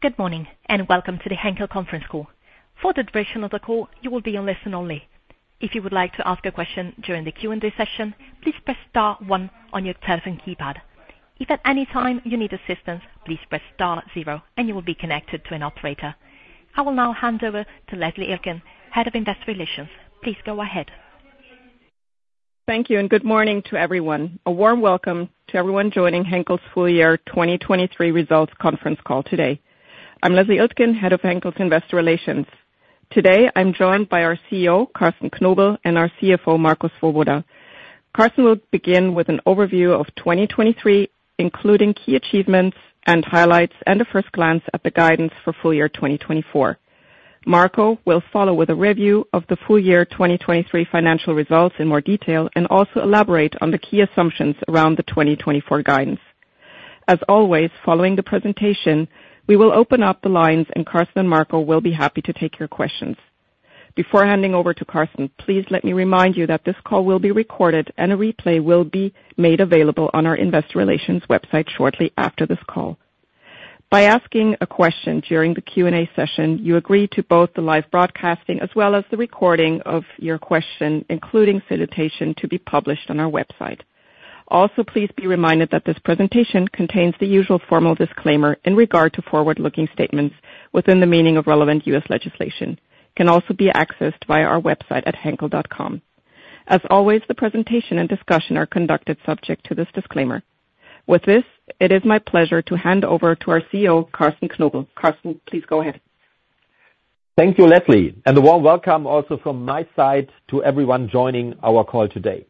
Good morning, and welcome to the Henkel conference call. For the duration of the call, you will be on listen only. If you would like to ask a question during the Q&A session, please press star one on your telephone keypad. If at any time you need assistance, please press star zero, and you will be connected to an operator. I will now hand over to Leslie Iltgen, Head of Investor Relations. Please go ahead. Thank you, and good morning to everyone. A warm welcome to everyone joining Henkel's full year 2023 results conference call today. I'm Leslie Iltgen, Head of Henkel's Investor Relations. Today, I'm joined by our CEO, Carsten Knobel, and our CFO, Marco Swoboda. Carsten will begin with an overview of 2023, including key achievements and highlights, and a first glance at the guidance for full year 2024. Marco will follow with a review of the full year 2023 financial results in more detail, and also elaborate on the key assumptions around the 2024 guidance. As always, following the presentation, we will open up the lines, and Carsten and Marco will be happy to take your questions. Before handing over to Carsten, please let me remind you that this call will be recorded, and a replay will be made available on our investor relations website shortly after this call. By asking a question during the Q&A session, you agree to both the live broadcasting as well as the recording of your question, including citation, to be published on our website. Also, please be reminded that this presentation contains the usual formal disclaimer in regard to forward-looking statements within the meaning of relevant US legislation. It can also be accessed via our website at henkel.com. As always, the presentation and discussion are conducted subject to this disclaimer. With this, it is my pleasure to hand over to our CEO, Carsten Knobel. Carsten, please go ahead. Thank you, Leslie, and a warm welcome also from my side to everyone joining our call today.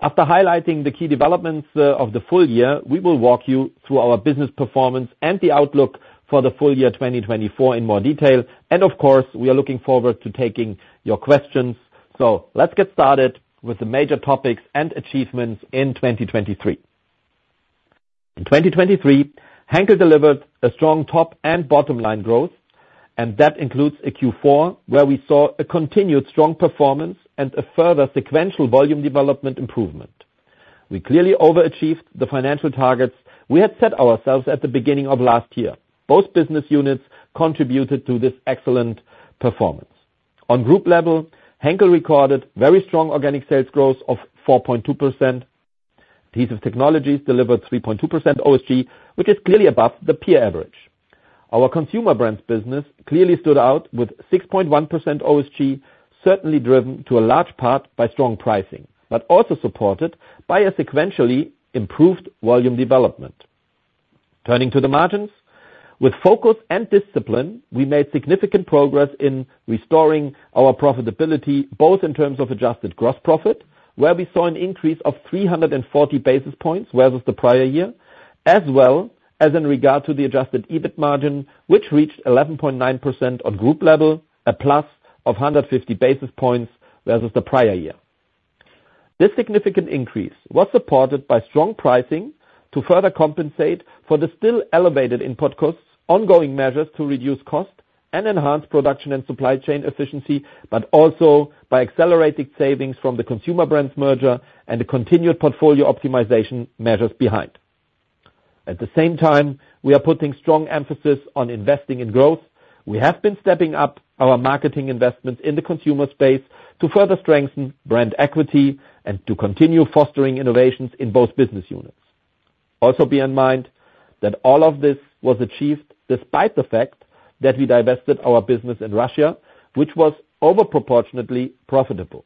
After highlighting the key developments of the full year, we will walk you through our business performance and the outlook for the full year 2024 in more detail. And of course, we are looking forward to taking your questions. So let's get started with the major topics and achievements in 2023. In 2023, Henkel delivered a strong top and bottom line growth, and that includes a Q4, where we saw a continued strong performance and a further sequential volume development improvement. We clearly overachieved the financial targets we had set ourselves at the beginning of last year. Both business units contributed to this excellent performance. On group level, Henkel recorded very strong organic sales growth of 4.2%. Adhesive Technologies delivered 3.2% OSG, which is clearly above the peer average. Our Consumer Brands business clearly stood out with 6.1% OSG, certainly driven to a large part by strong pricing, but also supported by a sequentially improved volume development. Turning to the margins, with focus and discipline, we made significant progress in restoring our profitability, both in terms of adjusted gross profit, where we saw an increase of 340 basis points, whereas with the prior year, as well as in regard to the Adjusted EBIT Margin, which reached 11.9% on group level, a plus of 150 basis points versus the prior year. This significant increase was supported by strong pricing to further compensate for the still elevated input costs, ongoing measures to reduce cost and enhance production and supply chain efficiency, but also by accelerated savings from the Consumer Brands merger and the continued portfolio optimization measures behind. At the same time, we are putting strong emphasis on investing in growth. We have been stepping up our marketing investment in the consumer space to further strengthen brand equity and to continue fostering innovations in both business units. Also, bear in mind that all of this was achieved despite the fact that we divested our business in Russia, which was over-proportionately profitable.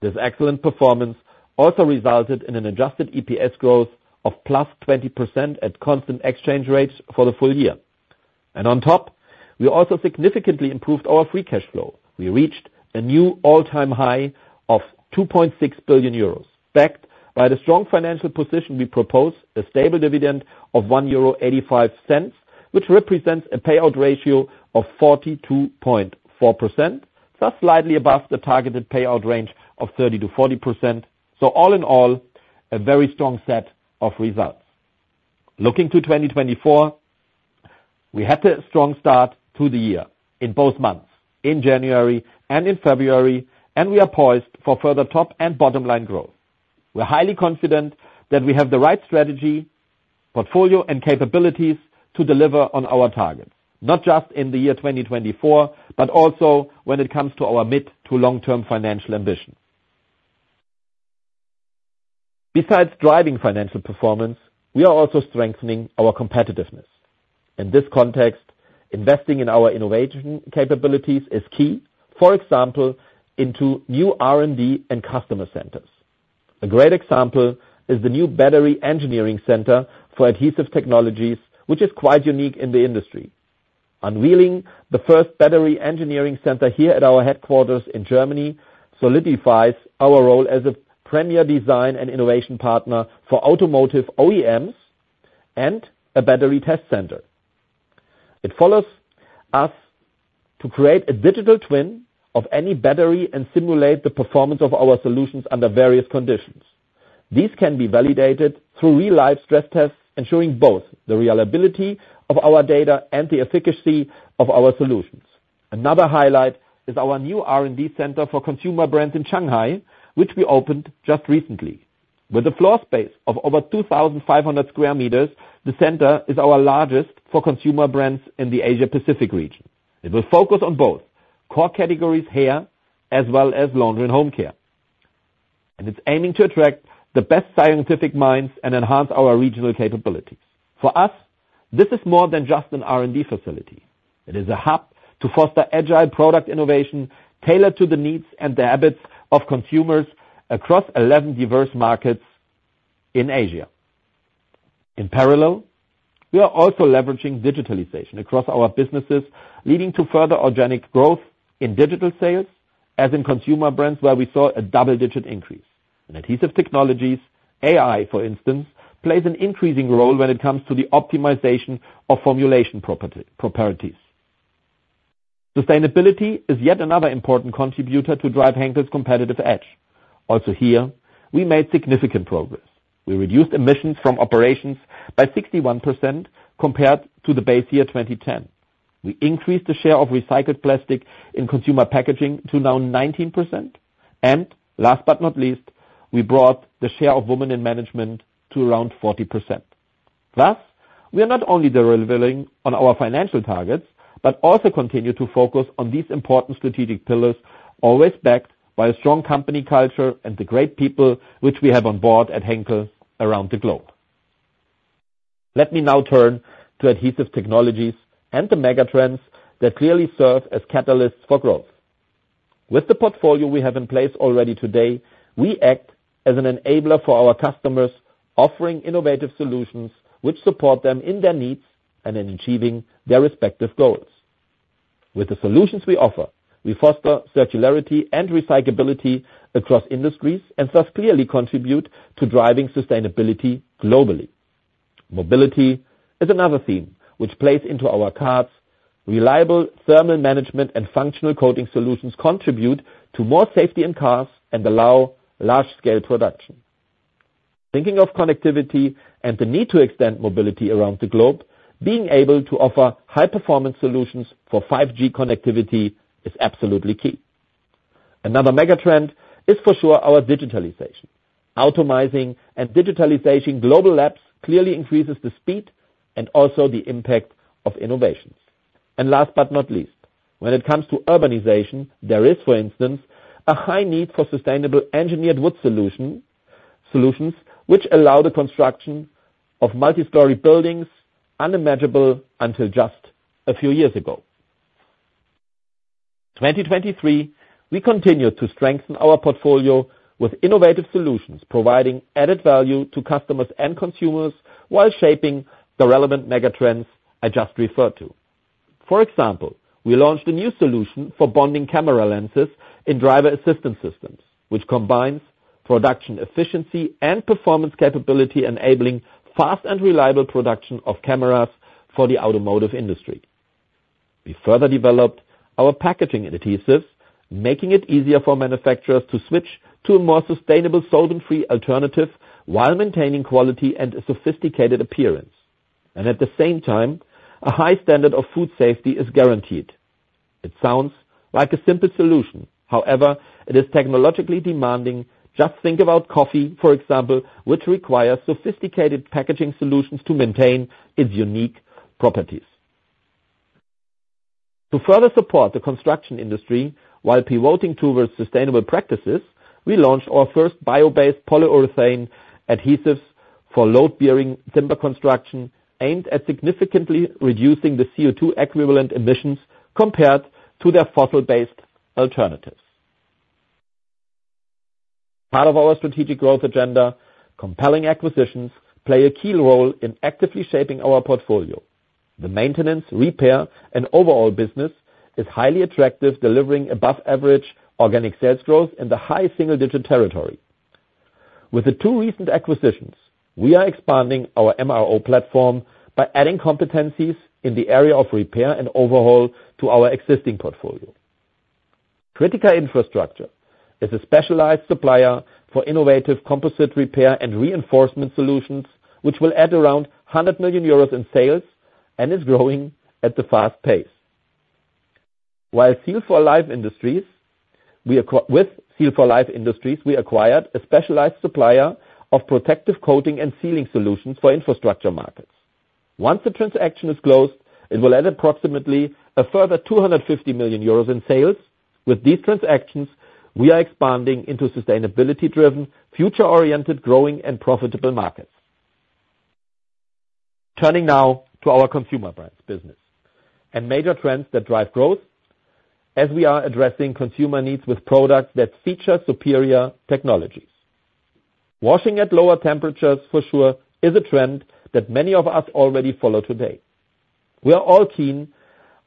This excellent performance also resulted in an Adjusted EPS growth of +20% at constant exchange rates for the full year. On top, we also significantly improved our Free Cash Flow. We reached a new all-time high of 2.6 billion euros. Backed by the strong financial position, we propose a stable dividend of 1.85 euro, which represents a payout ratio of 42.4%, just slightly above the targeted payout range of 30%-40%. So all in all, a very strong set of results. Looking to 2024, we had a strong start to the year in both months, in January and in February, and we are poised for further top and bottom line growth. We're highly confident that we have the right strategy, portfolio, and capabilities to deliver on our targets, not just in the year 2024, but also when it comes to our mid to long-term financial ambition. Besides driving financial performance, we are also strengthening our competitiveness. In this context, investing in our innovation capabilities is key. For example, into new R&D and customer centers. A great example is the new battery engineering center for Adhesive Technologies, which is quite unique in the industry. Unveiling the first battery engineering center here at our headquarters in Germany solidifies our role as a premier design and innovation partner for automotive OEMs and a battery test center. It follows us to create a Digital Twin of any battery and simulate the performance of our solutions under various conditions. These can be validated through real-life stress tests, ensuring both the reliability of our data and the efficacy of our solutions.... Another highlight is our new R&D center for Consumer Brands in Shanghai, which we opened just recently. With a floor space of over 2,500 square meters, the center is our largest for Consumer Brands in the Asia Pacific region. It will focus on both core categories, Hair, as well as laundry and home care, and it's aiming to attract the best scientific minds and enhance our regional capabilities. For us, this is more than just an R&D facility. It is a hub to foster agile product innovation, tailored to the needs and the habits of consumers across 11 diverse markets in Asia. In parallel, we are also leveraging digitalization across our businesses, leading to further organic growth in digital sales, as in Consumer Brands, where we saw a double-digit increase. In Adhesive Technologies, AI, for instance, plays an increasing role when it comes to the optimization of formulation properties. Sustainability is yet another important contributor to drive Henkel's competitive edge. Also here, we made significant progress. We reduced emissions from operations by 61% compared to the base year, 2010. We increased the share of recycled plastic in consumer packaging to now 19%, and last but not least, we brought the share of women in management to around 40%. Thus, we are not only delivering on our financial targets, but also continue to focus on these important strategic pillars, always backed by a strong company culture and the great people which we have on board at Henkel around the globe. Let me now turn to Adhesive Technologies and the megatrends that clearly serve as catalysts for growth. With the portfolio we have in place already today, we act as an enabler for our customers, offering innovative solutions which support them in their needs and in achieving their respective goals. With the solutions we offer, we foster circularity and recyclability across industries, and thus clearly contribute to driving sustainability globally. Mobility is another theme which plays into our cars. Reliable thermal management and functional coating solutions contribute to more safety in cars and allow large-scale production. Thinking of connectivity and the need to extend mobility around the globe, being able to offer high-performance solutions for 5G connectivity is absolutely key. Another megatrend is, for sure, our digitalization. Automating and digitalization global labs clearly increases the speed and also the impact of innovations. And last but not least, when it comes to urbanization, there is, for instance, a high need for sustainable engineered wood solution, solutions which allow the construction of multi-story buildings unimaginable until just a few years ago. 2023, we continued to strengthen our portfolio with innovative solutions, providing added value to customers and consumers while shaping the relevant megatrends I just referred to. For example, we launched a new solution for bonding camera lenses in driver assistance systems, which combines production efficiency and performance capability, enabling fast and reliable production of cameras for the automotive industry. We further developed our packaging adhesives, making it easier for manufacturers to switch to a more sustainable solvent-free alternative, while maintaining quality and a sophisticated appearance. And at the same time, a high standard of food safety is guaranteed. It sounds like a simple solution. However, it is technologically demanding. Just think about coffee, for example, which requires sophisticated packaging solutions to maintain its unique properties. To further support the construction industry while pivoting towards sustainable practices, we launched our first bio-based polyurethane adhesives for load-bearing timber construction, aimed at significantly reducing the CO2 equivalent emissions compared to their fossil-based alternatives. Part of our strategic growth agenda, compelling acquisitions play a key role in actively shaping our portfolio. The maintenance, repair, and overall business is highly attractive, delivering above average organic sales growth in the high single-digit territory. With the two recent acquisitions, we are expanding our MRO platform by adding competencies in the area of repair and overhaul to our existing portfolio. Critica Infrastructure is a specialized supplier for innovative composite repair and reinforcement solutions, which will add around 100 million euros in sales and is growing at a fast pace. With Seal for Life Industries, we acquired a specialized supplier of protective coating and sealing solutions for infrastructure markets. Once the transaction is closed, it will add approximately a further 250 million euros in sales. With these transactions, we are expanding into sustainability-driven, future-oriented, growing, and profitable markets. Turning now to our Consumer Brands business and major trends that drive growth as we are addressing consumer needs with products that feature superior technologies. Washing at lower temperatures, for sure, is a trend that many of us already follow today. We are all keen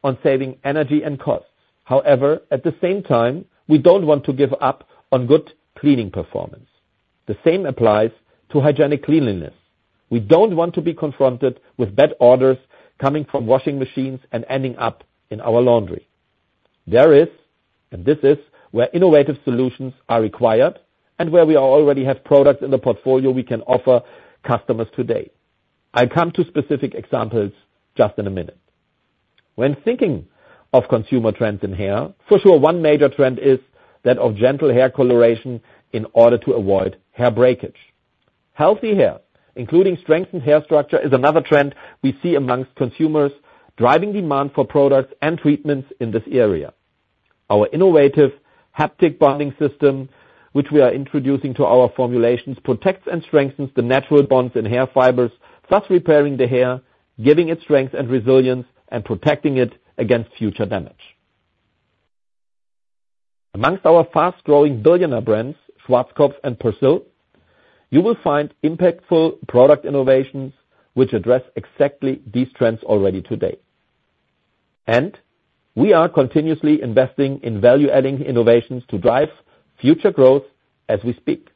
on saving energy and costs. However, at the same time, we don't want to give up on good cleaning performance. The same applies to hygienic cleanliness. We don't want to be confronted with bad odors coming from washing machines and ending up in our laundry. There is, and this is, where innovative solutions are required and where we already have products in the portfolio we can offer customers today.... I'll come to specific examples just in a minute. When thinking of consumer trends in Hair, for sure, one major trend is that of gentle Hair coloration in order to avoid Hair breakage. Healthy Hair, including strengthened Hair structure, is another trend we see amongst consumers, driving demand for products and treatments in this area. Our innovative HaptIQ Bonding System, which we are introducing to our formulations, protects and strengthens the natural bonds and Hair fibers, thus repairing the Hair, giving it strength and resilience, and protecting it against future damage. Amongst our fast-growing billionaire brands, Schwarzkopf and Persil, you will find impactful product innovations which address exactly these trends already today. We are continuously investing in value-adding innovations to drive future growth as we speak.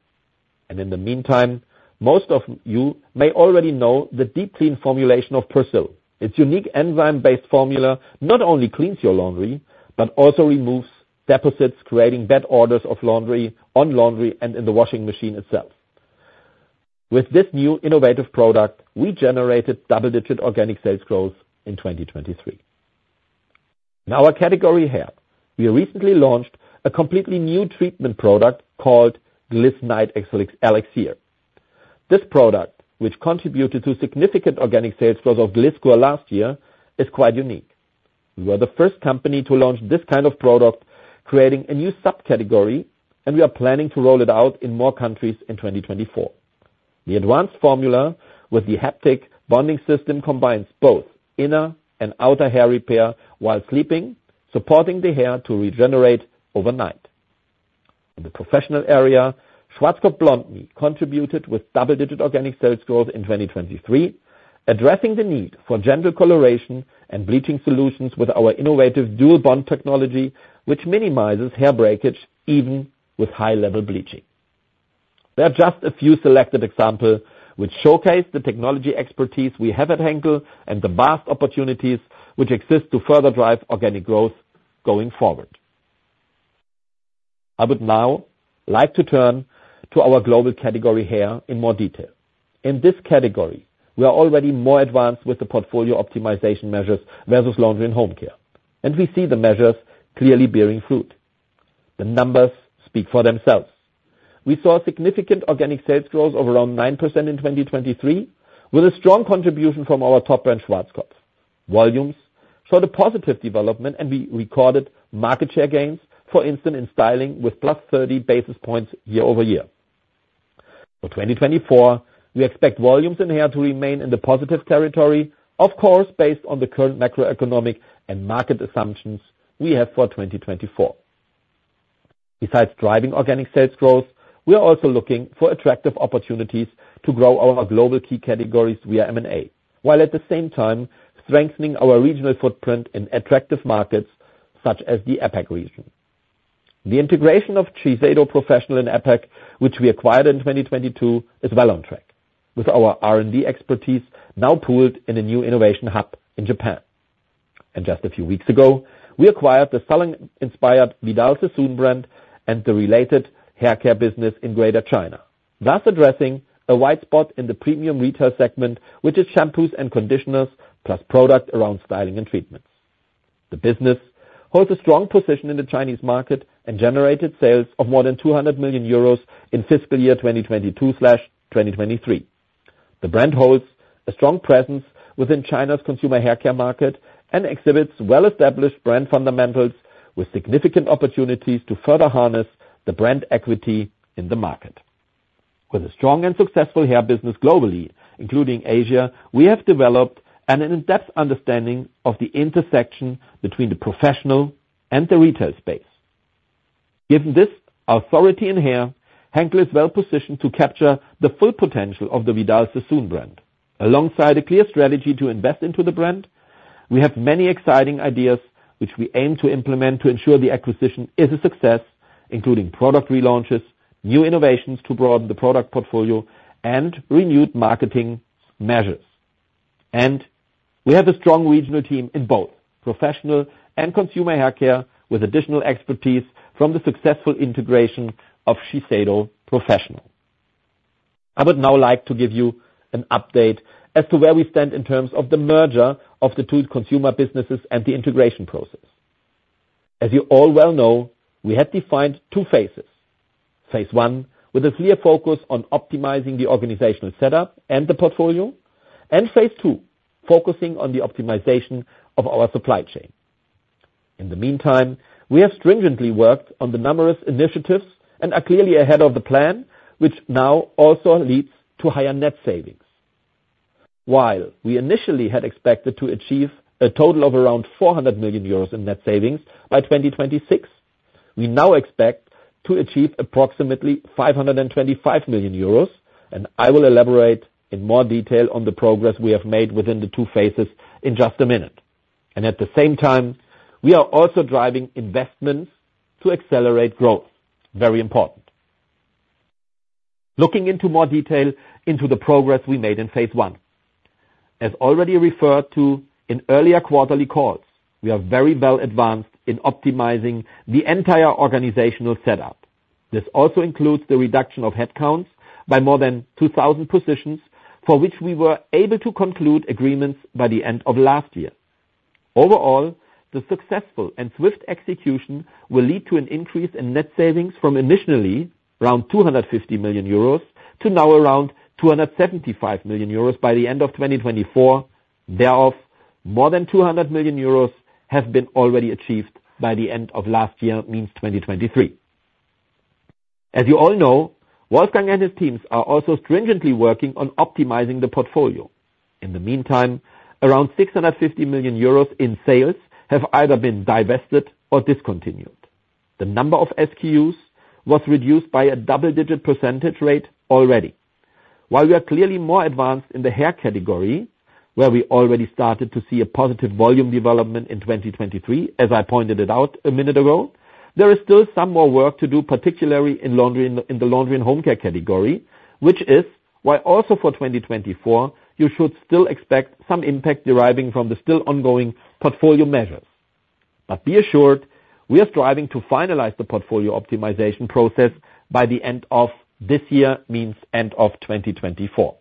In the meantime, most of you may already know the Deep Clean formulation of Persil. Its unique enzyme-based formula not only cleans your laundry, but also removes deposits, creating bad odors of laundry, on laundry, and in the washing machine itself. With this new innovative product, we generated double-digit organic sales growth in 2023. In our category Hair, we recently launched a completely new treatment product called Gliss Night Elixir. This product, which contributed to significant organic sales growth of Gliss last year, is quite unique. We are the first company to launch this kind of product, creating a new subcategory, and we are planning to roll it out in more countries in 2024. The advanced formula with the HaptIQ Bonding System combines both inner and outer Hair repair while sleeping, supporting the Hair to regenerate overnight. In the professional area, Schwarzkopf BLONDME contributed with double-digit organic sales growth in 2023, addressing the need for gentle coloration and bleaching solutions with our innovative Dual Bond Technology, which minimizes Hair breakage, even with high-level bleaching. They are just a few selected examples, which showcase the technology expertise we have at Henkel, and the vast opportunities which exist to further drive organic growth going forward. I would now like to turn to our global category Hair in more detail. In this category, we are already more advanced with the portfolio optimization measures versus laundry and home care, and we see the measures clearly bearing fruit. The numbers speak for themselves. We saw significant organic sales growth of around 9% in 2023, with a strong contribution from our top brand, Schwarzkopf. Volumes showed a positive development, and we recorded market share gains, for instance, in styling with +30 basis points year-over-year. For 2024, we expect volumes in Hair to remain in the positive territory, of course, based on the current macroeconomic and market assumptions we have for 2024. Besides driving organic sales growth, we are also looking for attractive opportunities to grow our global key categories via M&A, while at the same time strengthening our regional footprint in attractive markets such as the APAC region. The integration of Shiseido Professional in APAC, which we acquired in 2022, is well on track, with our R&D expertise now pooled in a new innovation hub in Japan. Just a few weeks ago, we acquired the salon-inspired Vidal Sassoon brand and the related Hair care business in Greater China, thus addressing a white spot in the premium retail segment, which is shampoos and conditioners, plus products around styling and treatments. The business holds a strong position in the Chinese market and generated sales of more than 200 million euros in fiscal year 2022/2023. The brand holds a strong presence within China's consumer Haircare market and exhibits well-established brand fundamentals, with significant opportunities to further harness the brand equity in the market. With a strong and successful Hair business globally, including Asia, we have developed an in-depth understanding of the intersection between the professional and the retail space. Given this authority in Hair, Henkel is well positioned to capture the full potential of the Vidal Sassoon brand. Alongside a clear strategy to invest into the brand, we have many exciting ideas which we aim to implement to ensure the acquisition is a success, including product relaunches, new innovations to broaden the product portfolio, and renewed marketing measures. And we have a strong regional team in both professional and consumer Haircare, with additional expertise from the successful integration of Shiseido Professional. I would now like to give you an update as to where we stand in terms of the merger of the two consumer businesses and the integration process. As you all well know, we have defined two phases. Phase one, with a clear focus on optimizing the organizational setup and the portfolio, and phase two, focusing on the optimization of our supply chain. In the meantime, we have stringently worked on the numerous initiatives and are clearly ahead of the plan, which now also leads to higher net savings. While we initially had expected to achieve a total of around 400 million euros in net savings by 2026, we now expect to achieve approximately 525 million euros, and I will elaborate in more detail on the progress we have made within the two phases in just a minute. At the same time, we are also driving investments to accelerate growth, very important. Looking into more detail into the progress we made in phase one. As already referred to in earlier quarterly calls, we are very well advanced in optimizing the entire organizational setup. This also includes the reduction of headcount by more than 2,000 positions, for which we were able to conclude agreements by the end of last year. Overall, the successful and swift execution will lead to an increase in net savings from initially around 250 million euros to now around 275 million euros by the end of 2024. Thereof, more than 200 million euros have been already achieved by the end of last year, means 2023. As you all know, Wolfgang and his teams are also stringently working on optimizing the portfolio. In the meantime, around 650 million euros in sales have either been divested or discontinued. The number of SKUs was reduced by a double-digit percentage rate already. While we are clearly more advanced in the Hair category, where we already started to see a positive volume development in 2023, as I pointed it out a minute ago, there is still some more work to do, particularly in laundry, in the laundry and home care category, which is why also for 2024, you should still expect some impact deriving from the still ongoing portfolio measures. But be assured, we are striving to finalize the portfolio optimization process by the end of this year, means end of 2024.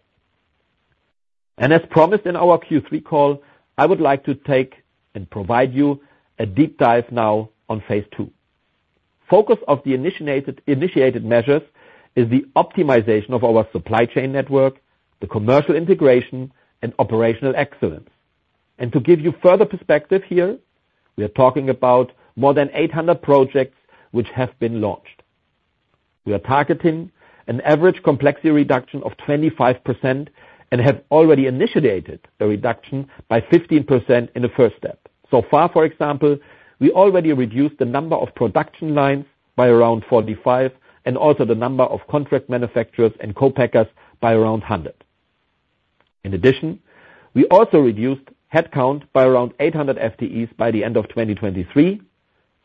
And as promised in our Q3 call, I would like to take and provide you a deep dive now on phase two. Focus of the initiated measures is the optimization of our supply chain network, the commercial integration and operational excellence. To give you further perspective here, we are talking about more than 800 projects which have been launched. We are targeting an average complexity reduction of 25% and have already initiated a reduction by 15% in the first step. So far, for example, we already reduced the number of production lines by around 45 and also the number of contract manufacturers and co-packers by around 100. In addition, we also reduced headcount by around 800 FTEs by the end of 2023.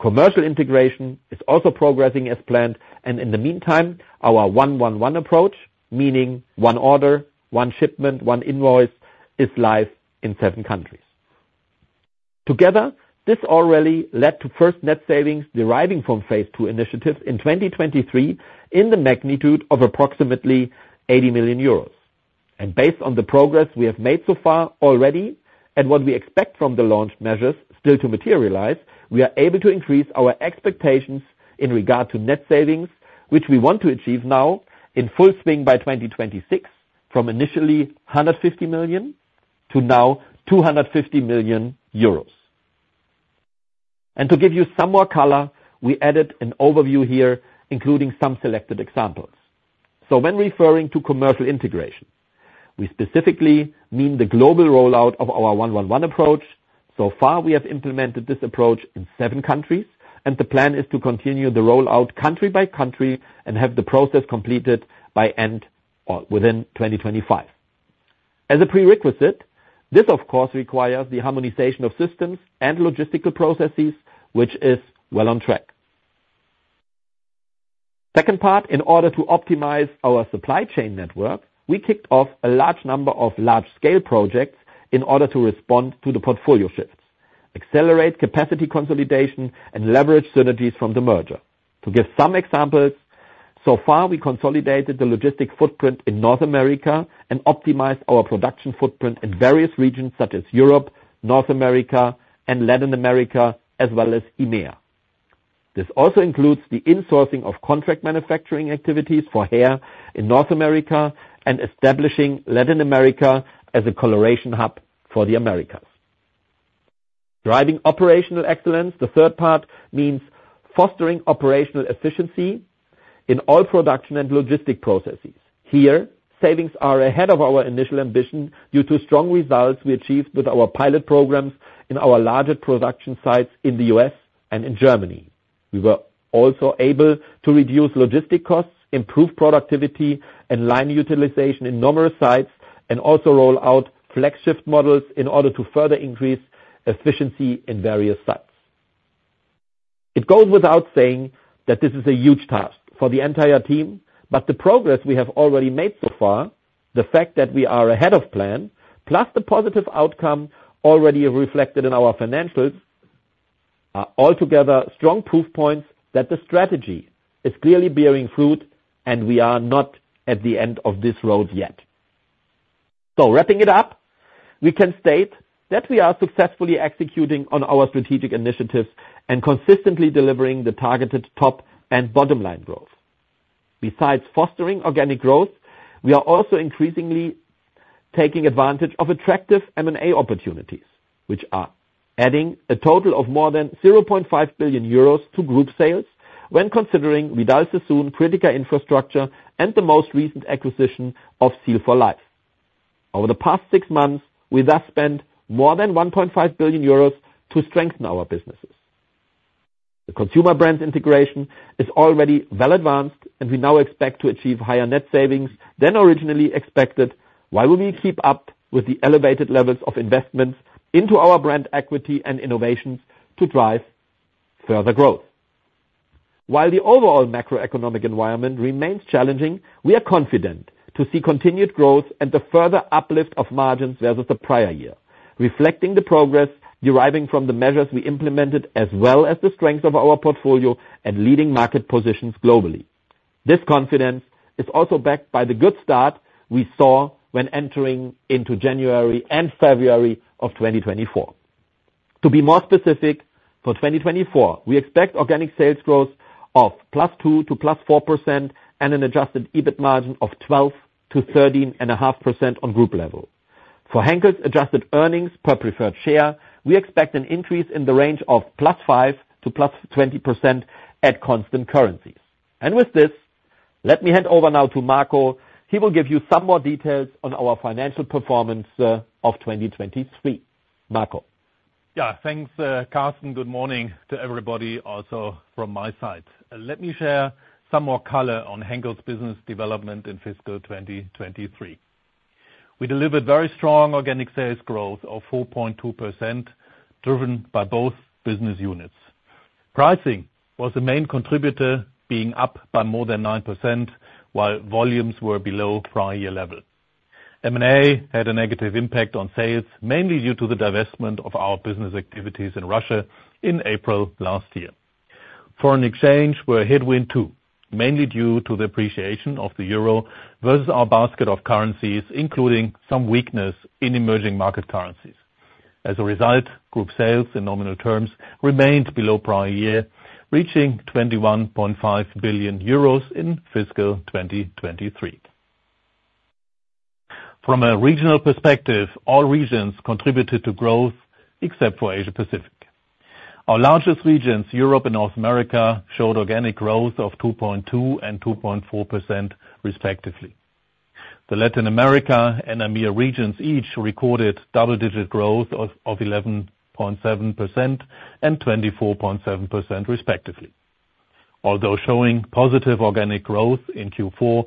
Commercial integration is also progressing as planned, and in the meantime, our 1, 1, 1 approach, meaning one order, one shipment, one invoice, is live in 7 countries. Together, this already led to first net savings deriving from phase two initiatives in 2023, in the magnitude of approximately 80 million euros. Based on the progress we have made so far already, and what we expect from the launched measures still to materialize, we are able to increase our expectations in regard to net savings, which we want to achieve now in full swing by 2026, from initially 150 million to now 250 million euros. To give you some more color, we added an overview here, including some selected examples. When referring to commercial integration, we specifically mean the global rollout of our 1, 1, 1 approach. So far, we have implemented this approach in 7 countries, and the plan is to continue the rollout country by country and have the process completed by end or within 2025. As a prerequisite, this of course requires the harmonization of systems and logistical processes, which is well on track. Second part, in order to optimize our supply chain network, we kicked off a large number of large-scale projects in order to respond to the portfolio shifts, accelerate capacity consolidation and leverage synergies from the merger. To give some examples, so far, we consolidated the logistic footprint in North America and optimized our production footprint in various regions such as Europe, North America and Latin America, as well as EMEA. This also includes the insourcing of contract manufacturing activities for Hair in North America and establishing Latin America as a coloration hub for the Americas. Driving operational excellence, the third part, means fostering operational efficiency in all production and logistic processes. Here, savings are ahead of our initial ambition due to strong results we achieved with our pilot programs in our larger production sites in the U.S. and in Germany. We were also able to reduce logistics costs, improve productivity and line utilization in numerous sites, and also roll out flex shift models in order to further increase efficiency in various sites. It goes without saying that this is a huge task for the entire team, but the progress we have already made so far, the fact that we are ahead of plan, plus the positive outcome already reflected in our financials, are altogether strong proof points that the strategy is clearly bearing fruit, and we are not at the end of this road yet. So wrapping it up, we can state that we are successfully executing on our strategic initiatives and consistently delivering the targeted top and bottom line growth. Besides fostering organic growth, we are also increasingly taking advantage of attractive M&A opportunities, which are adding a total of more than 0.5 billion euros to group sales when considering Vidal Sassoon, Critica Infrastructure, and the most recent acquisition of Seal for Life. Over the past six months, we thus spent more than 1.5 billion euros to strengthen our businesses. The Consumer Brands integration is already well advanced, and we now expect to achieve higher net savings than originally expected, while we keep up with the elevated levels of investments into our brand equity and innovations to drive further growth. While the overall macroeconomic environment remains challenging, we are confident to see continued growth and a further uplift of margins versus the prior year, reflecting the progress deriving from the measures we implemented, as well as the strength of our portfolio and leading market positions globally. This confidence is also backed by the good start we saw when entering into January and February of 2024. To be more specific, for 2024, we expect organic sales growth of +2% to +4%, and an adjusted EBIT margin of 12%-13.5% on group level. For Henkel's adjusted earnings per preferred share, we expect an increase in the range of +5% to +20% at constant currencies. And with this, let me hand over now to Marco. He will give you some more details on our financial performance of 2023. Marco? Yeah, thanks, Carsten. Good morning to everybody, also from my side. Let me share some more color on Henkel's business development in fiscal 2023. We delivered very strong organic sales growth of 4.2%, driven by both business units. Pricing was the main contributor, being up by more than 9%, while volumes were below prior year level. M&A had a negative impact on sales, mainly due to the divestment of our business activities in Russia in April last year. Foreign exchange were a headwind, too, mainly due to the appreciation of the euro versus our basket of currencies, including some weakness in emerging market currencies. As a result, group sales in nominal terms remained below prior year, reaching 21.5 billion euros in fiscal 2023. From a regional perspective, all regions contributed to growth except for Asia Pacific. Our largest regions, Europe and North America, showed organic growth of 2.2% and 2.4% respectively. The Latin America and EMEA regions each recorded double-digit growth of 11.7% and 24.7% respectively. Although showing positive organic growth in Q4,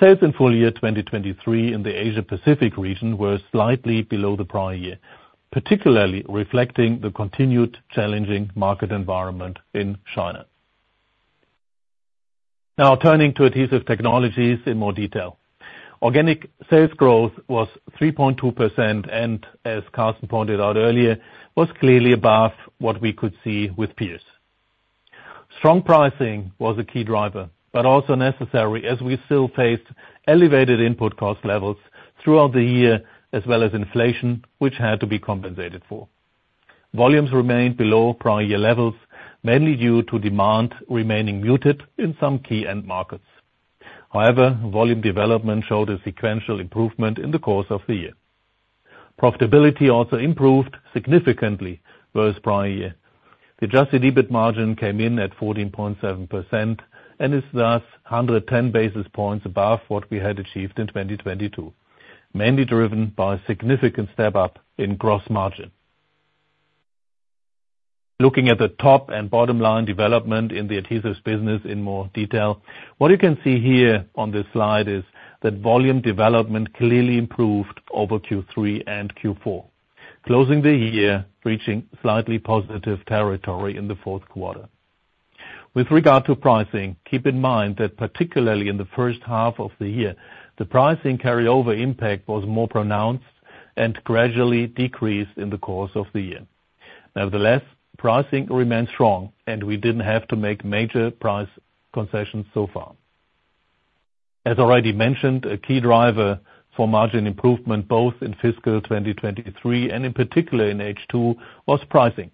sales in full year 2023 in the Asia Pacific region were slightly below the prior year, particularly reflecting the continued challenging market environment in China. Now turning to Adhesive Technologies in more detail. Organic sales growth was 3.2%, and as Carsten pointed out earlier, was clearly above what we could see with peers. Strong pricing was a key driver, but also necessary, as we still faced elevated input cost levels throughout the year, as well as inflation, which had to be compensated for. Volumes remained below prior year levels, mainly due to demand remaining muted in some key end markets. However, volume development showed a sequential improvement in the course of the year. Profitability also improved significantly versus prior year. The adjusted EBIT margin came in at 14.7% and is thus 110 basis points above what we had achieved in 2022, mainly driven by a significant step-up in gross margin. Looking at the top and bottom line development in the adhesives business in more detail, what you can see here on this slide is that volume development clearly improved over Q3 and Q4, closing the year, reaching slightly positive territory in the fourth quarter. With regard to pricing, keep in mind that particularly in the first half of the year, the pricing carryover impact was more pronounced and gradually decreased in the course of the year. Nevertheless, pricing remains strong, and we didn't have to make major price concessions so far. As already mentioned, a key driver for margin improvement, both in fiscal 2023, and in particular in H2, was pricing.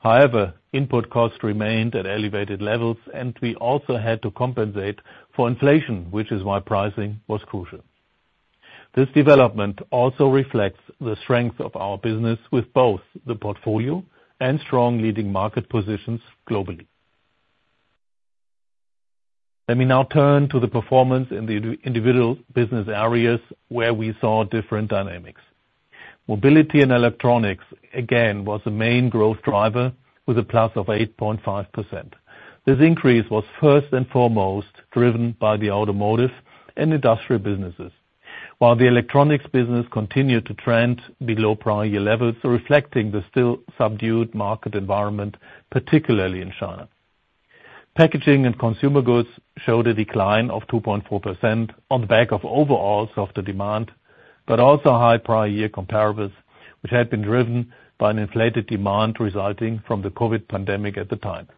However, input costs remained at elevated levels, and we also had to compensate for inflation, which is why pricing was crucial. This development also reflects the strength of our business with both the portfolio and strong leading market positions globally. Let me now turn to the performance in the individual business areas, where we saw different dynamics. Mobility and Electronics, again, was the main growth driver, with +8.5%. This increase was first and foremost driven by the automotive and industrial businesses, while the electronics business continued to trend below prior year levels, reflecting the still subdued market environment, particularly in China. Packaging and Consumer Goods showed a decline of 2.4% on the back of overall softer demand, but also high prior year comparables, which had been driven by an inflated demand resulting from the COVID pandemic at the time.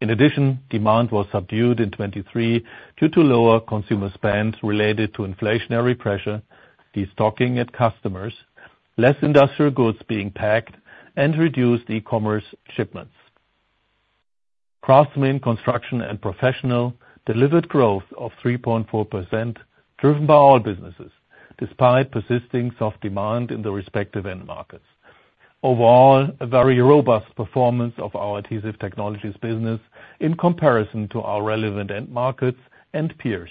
In addition, demand was subdued in 2023 due to lower consumer spend related to inflationary pressure, destocking at customers, less industrial goods being packed, and reduced e-commerce shipments. Crafts, Construction, and Professional delivered growth of 3.4%, driven by all businesses, despite persisting soft demand in the respective end markets. Overall, a very robust performance of our Adhesive Technologies business in comparison to our relevant end markets and peers,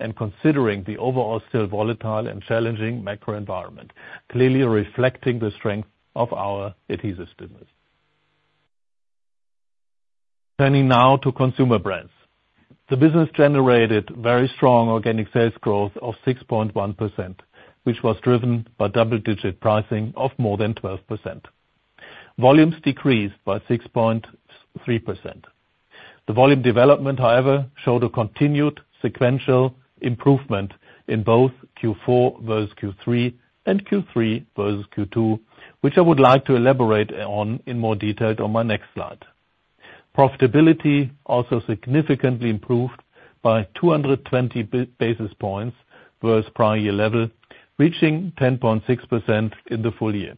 and considering the overall still volatile and challenging macro environment, clearly reflecting the strength of our adhesives business. Turning now to Consumer Brands. The business generated very strong organic sales growth of 6.1%, which was driven by double-digit pricing of more than 12%. Volumes decreased by 6.3%. The volume development, however, showed a continued sequential improvement in both Q4 versus Q3, and Q3 versus Q2, which I would like to elaborate on in more detail on my next slide. Profitability also significantly improved by 200 basis points versus prior year level, reaching 10.6% in the full year.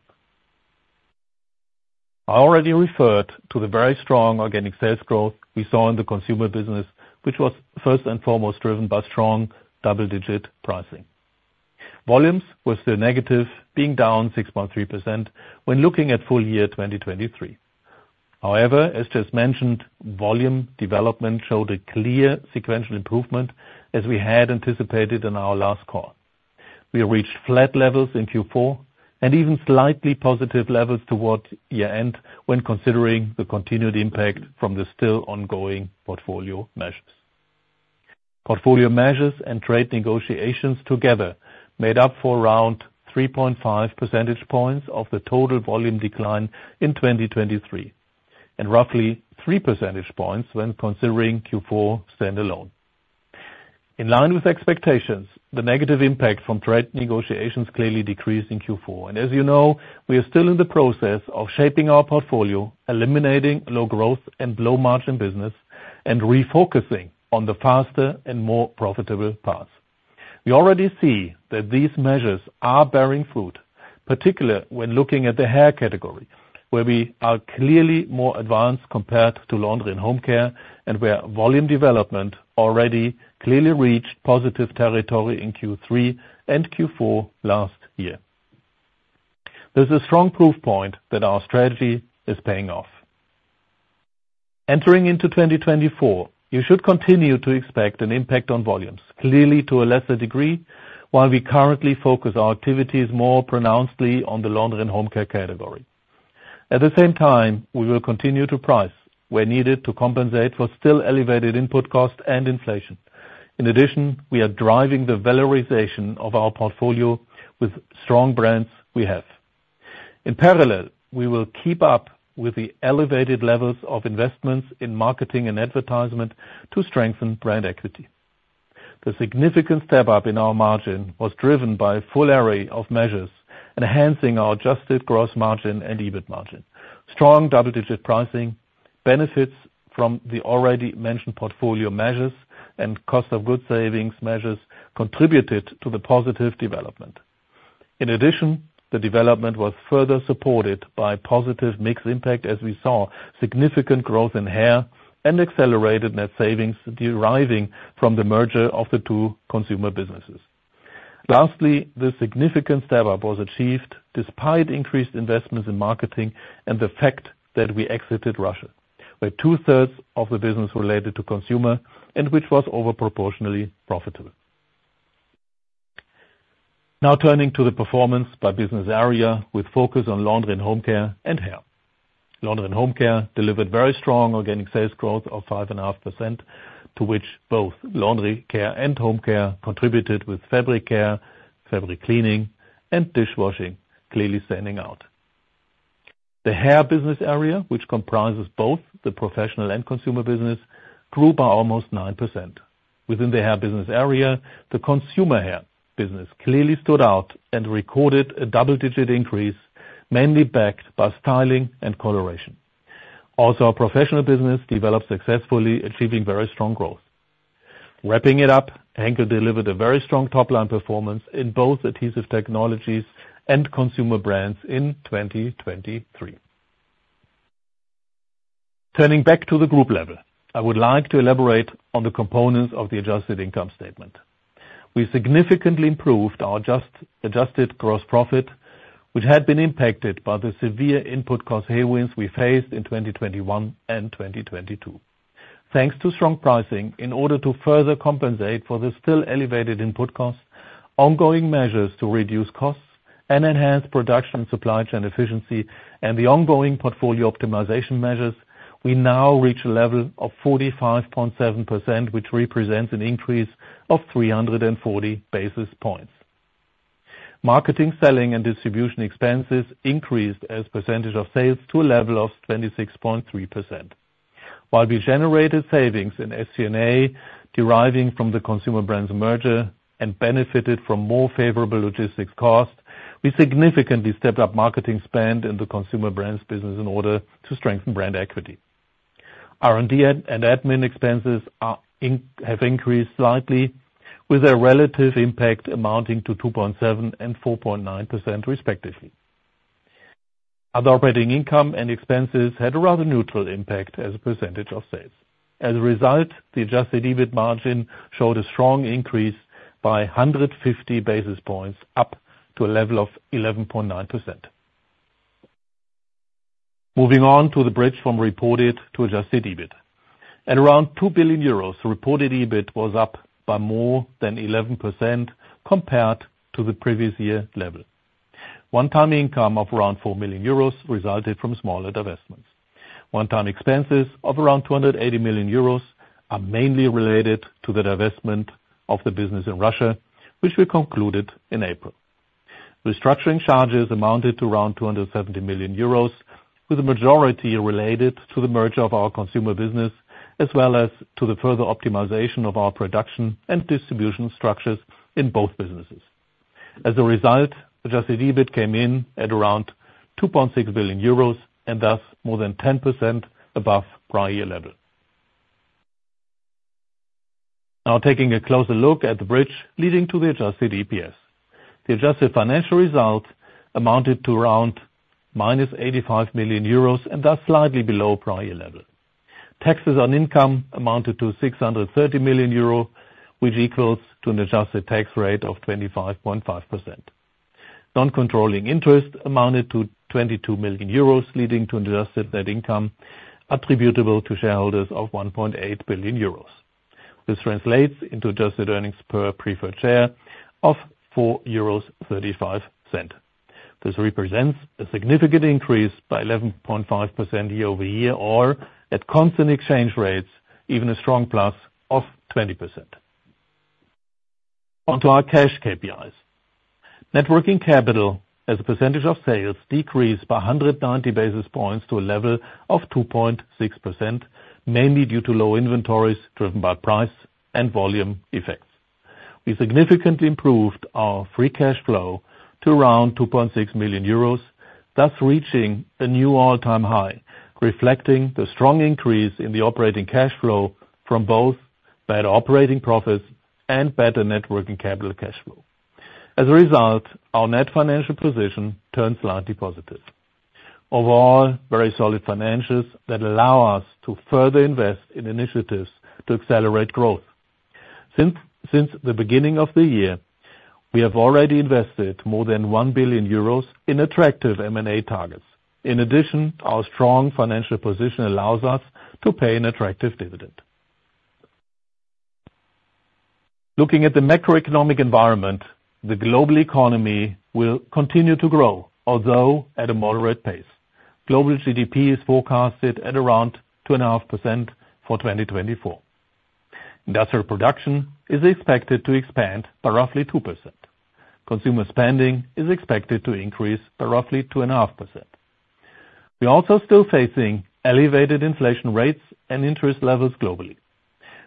I already referred to the very strong organic sales growth we saw in the consumer business, which was first and foremost driven by strong double-digit pricing. Volumes were still negative, being down 6.3% when looking at full year 2023. However, as just mentioned, volume development showed a clear sequential improvement, as we had anticipated in our last call. We reached flat levels in Q4, and even slightly positive levels towards year-end when considering the continued impact from the still ongoing portfolio measures. Portfolio measures and trade negotiations together made up for around 3.5 percentage points of the total volume decline in 2023, and roughly 3 percentage points when considering Q4 standalone. In line with expectations, the negative impact from trade negotiations clearly decreased in Q4, and as you know, we are still in the process of shaping our portfolio, eliminating low growth and low margin business, and refocusing on the faster and more profitable paths. We already see that these measures are bearing fruit, particularly when looking at the Hair category, where we are clearly more advanced compared to laundry and home care, and where volume development already clearly reached positive territory in Q3 and Q4 last year. This is a strong proof point that our strategy is paying off. Entering into 2024, you should continue to expect an impact on volumes, clearly to a lesser degree, while we currently focus our activities more pronouncedly on the laundry and home care category. At the same time, we will continue to price where needed to compensate for still elevated input costs and inflation. In addition, we are driving the valorization of our portfolio with strong brands we have. In parallel, we will keep up with the elevated levels of investments in marketing and advertisement to strengthen brand equity. The significant step-up in our margin was driven by a full array of measures, enhancing our adjusted gross margin and EBIT margin. Strong double-digit pricing, benefits from the already mentioned portfolio measures, and cost of goods savings measures contributed to the positive development. In addition, the development was further supported by positive mix impact, as we saw significant growth in Hair and accelerated net savings deriving from the merger of the two consumer businesses. Lastly, the significant step-up was achieved despite increased investments in marketing and the fact that we exited Russia, where two-thirds of the business related to consumer and which was over proportionally profitable. Now turning to the performance by business area with focus on Laundry & Home Care and Hair. Laundry & Home Care delivered very strong organic sales growth of 5.5%, to which both Laundry Care and Home Care contributed with fabric care, fabric cleaning, and dishwashing clearly standing out. The Hair business area, which comprises both the professional and consumer business, grew by almost 9%. Within the Hair business area, the consumer Hair business clearly stood out and recorded a double-digit increase, mainly backed by styling and coloration. Also, our professional business developed successfully, achieving very strong growth. Wrapping it up, Henkel delivered a very strong top-line performance in both Adhesive Technologies and Consumer Brands in 2023. Turning back to the group level, I would like to elaborate on the components of the adjusted income statement. We significantly improved our adjusted gross profit, which had been impacted by the severe input cost headwinds we faced in 2021 and 2022. Thanks to strong pricing, in order to further compensate for the still elevated input costs, ongoing measures to reduce costs and enhance production supply chain efficiency, and the ongoing portfolio optimization measures, we now reach a level of 45.7%, which represents an increase of 340 basis points. Marketing, selling, and distribution expenses increased as a percentage of sales to a level of 26.3%. While we generated savings in SG&A, deriving from the Consumer Brands merger and benefited from more favorable logistics costs, we significantly stepped up marketing spend in the Consumer Brands business in order to strengthen brand equity. R&D and admin expenses have increased slightly, with a relative impact amounting to 2.7% and 4.9%, respectively. Other operating income and expenses had a rather neutral impact as a percentage of sales. As a result, the Adjusted EBIT Margin showed a strong increase by 150 basis points, up to a level of 11.9%. Moving on to the bridge from reported to adjusted EBIT. At around 2 billion euros, reported EBIT was up by more than 11% compared to the previous year level. One-time income of around 4 million euros resulted from smaller divestments. One-time expenses of around 280 million euros are mainly related to the divestment of the business in Russia, which we concluded in April. Restructuring charges amounted to around 270 million euros, with the majority related to the merger of our consumer business, as well as to the further optimization of our production and distribution structures in both businesses. As a result, adjusted EBIT came in at around 2.6 billion euros, and thus more than 10% above prior year level. Now, taking a closer look at the bridge leading to the adjusted EPS. The adjusted financial results amounted to around -85 million euros, and thus slightly below prior year level. Taxes on income amounted to 630 million euro, which equals to an adjusted tax rate of 25.5%. Non-controlling interest amounted to 22 million euros, leading to an adjusted net income attributable to shareholders of 1.8 billion euros. This translates into adjusted earnings per preferred share of 4.35 euros. This represents a significant increase by 11.5% year-over-year, or at constant exchange rates, even a strong plus of 20%. Onto our cash KPIs. Net Working Capital as a percentage of sales decreased by 190 basis points to a level of 2.6%, mainly due to low inventories, driven by price and volume effects. We significantly improved our Free Cash Flow to around 2.6 million euros, thus reaching a new all-time high, reflecting the strong increase in the operating cash flow from both better operating profits and better Net Working Capital cash flow. As a result, our net financial position turned slightly positive. Overall, very solid financials that allow us to further invest in initiatives to accelerate growth. Since the beginning of the year, we have already invested more than 1 billion euros in attractive M&A targets. In addition, our strong financial position allows us to pay an attractive dividend. Looking at the macroeconomic environment, the global economy will continue to grow, although at a moderate pace. Global GDP is forecasted at around 2.5% for 2024. Industrial production is expected to expand by roughly 2%. Consumer spending is expected to increase by roughly 2.5%. We're also still facing elevated inflation rates and interest levels globally.